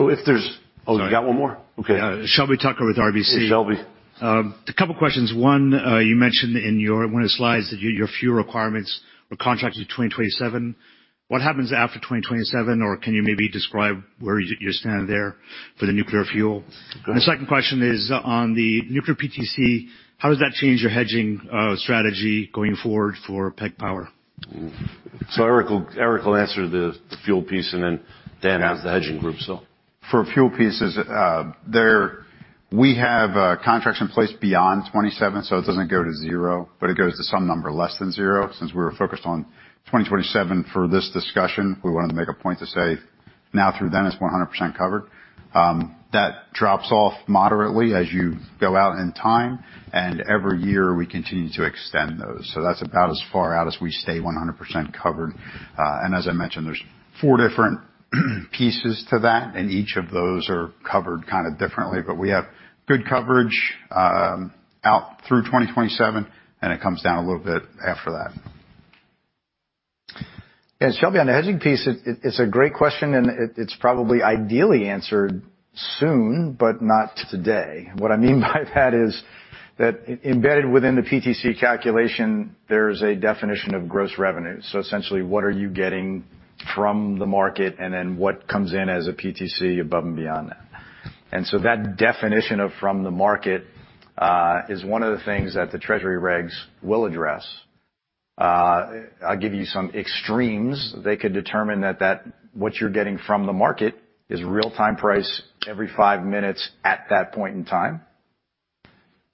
If there's...Sorry. Oh, we got one more? Okay. Yeah. Shelby Tucker with RBC. Hey, Shelby. A couple questions. One, you mentioned in one of the slides that your fuel requirements were contracted to 2027. What happens after 2027? Can you maybe describe where you stand there for the nuclear fuel? Sure. The second question is on the nuclear PTC, how does that change your hedging strategy going forward for PSEG Power? Eric will answer the fuel piece, Dan has the hedging group. For fuel pieces, we have contracts in place beyond 2027, so it doesn't go to zero, but it goes to some number less than zero. Since we were focused on 2027 for this discussion, we wanted to make a point to say now through then, it's 100% covered. That drops off moderately as you go out in time, and every year, we continue to extend those. That's about as far out as we stay 100% covered. As I mentioned, there's four different pieces to that, and each of those are covered kind of differently. We have good coverage out through 2027, and it comes down a little bit after that. Shelby, on the hedging piece, it's a great question, and it's probably ideally answered soon, but not today. I mean by that is that embedded within the PTC calculation, there's a definition of gross revenue. Essentially, what are you getting from the market? Then what comes in as a PTC above and beyond that. That definition of from the market is one of the things that the Treasury regs will address. I'll give you some extremes. They could determine that what you're getting from the market is real-time price every five minutes at that point in time.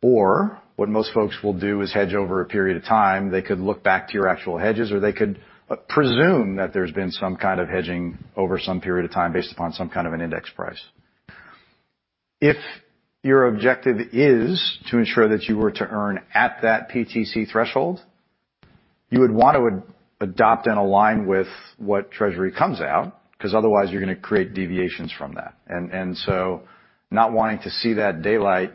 What most folks will do is hedge over a period of time. They could look back to your actual hedges, or they could presume that there's been some kind of hedging over some period of time based upon some kind of an index price. If your objective is to ensure that you were to earn at that PTC threshold, you would want to adopt and align with what Treasury comes out, because otherwise you're gonna create deviations from that. So not wanting to see that daylight,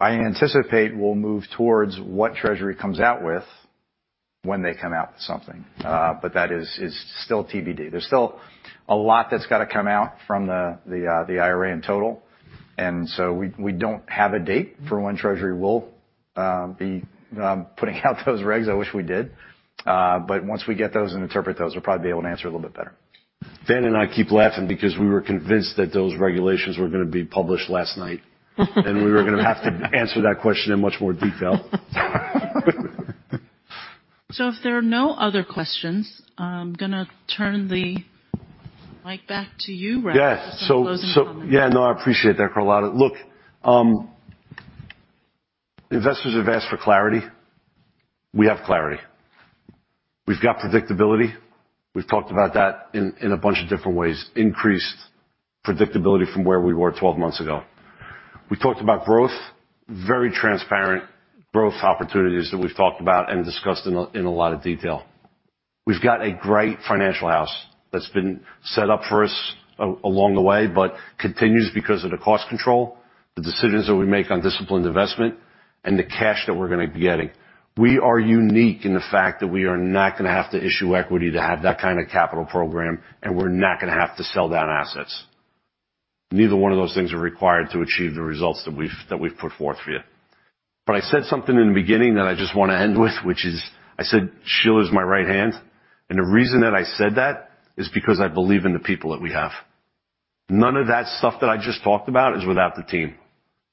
I anticipate we'll move towards what Treasury comes out with when they come out with something. But that is still TBD. There's still a lot that's got to come out from the IRA in total. So we don't have a date for when Treasury will be putting out those regs. I wish we did. Once we get those and interpret those, we'll probably be able to answer a little bit better. Dan and I keep laughing because we were convinced that those regulations were gonna be published last night. We were gonna have to answer that question in much more detail. If there are no other questions, I'm gonna turn the mic back to you, Cregg. Yes. for some closing comments. No, I appreciate that, Carlotta. Look, investors have asked for clarity. We have clarity. We've got predictability. We've talked about that in a bunch of different ways. Increased predictability from where we were 12 months ago. We talked about growth, very transparent growth opportunities that we've talked about and discussed in a, in a lot of detail. We've got a great financial house that's been set up for us along the way, but continues because of the cost control, the decisions that we make on disciplined investment, and the cash that we're gonna be getting. We are unique in the fact that we are not gonna have to issue equity to have that kind of capital program, and we're not gonna have to sell down assets. Neither one of those things are required to achieve the results that we've put forth for you. I said something in the beginning that I just wanna end with, which is I said Sheila is my right hand. The reason that I said that is because I believe in the people that we have. None of that stuff that I just talked about is without the team,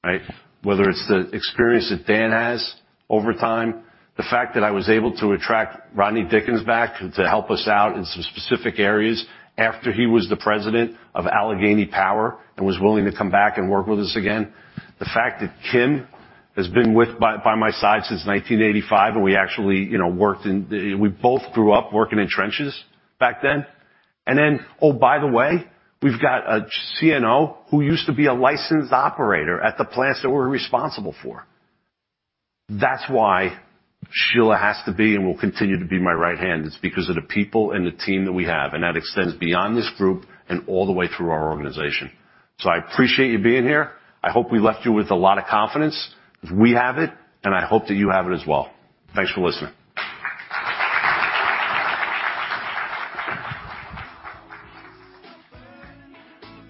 right? Whether it's the experience that Dan has over time, the fact that I was able to attract Rodney Dickens back to help us out in some specific areas after he was the president of Allegheny Power and was willing to come back and work with us again. The fact that Kim has been by my side since 1985, and we actually, you know, we both grew up working in trenches back then. Oh, by the way, we've got a CNO who used to be a licensed operator at the plants that we're responsible for. That's why Sheila has to be and will continue to be my right hand. It's because of the people and the team that we have. That extends beyond this group and all the way through our organization. I appreciate you being here. I hope we left you with a lot of confidence, because we have it, and I hope that you have it as well. Thanks for listening.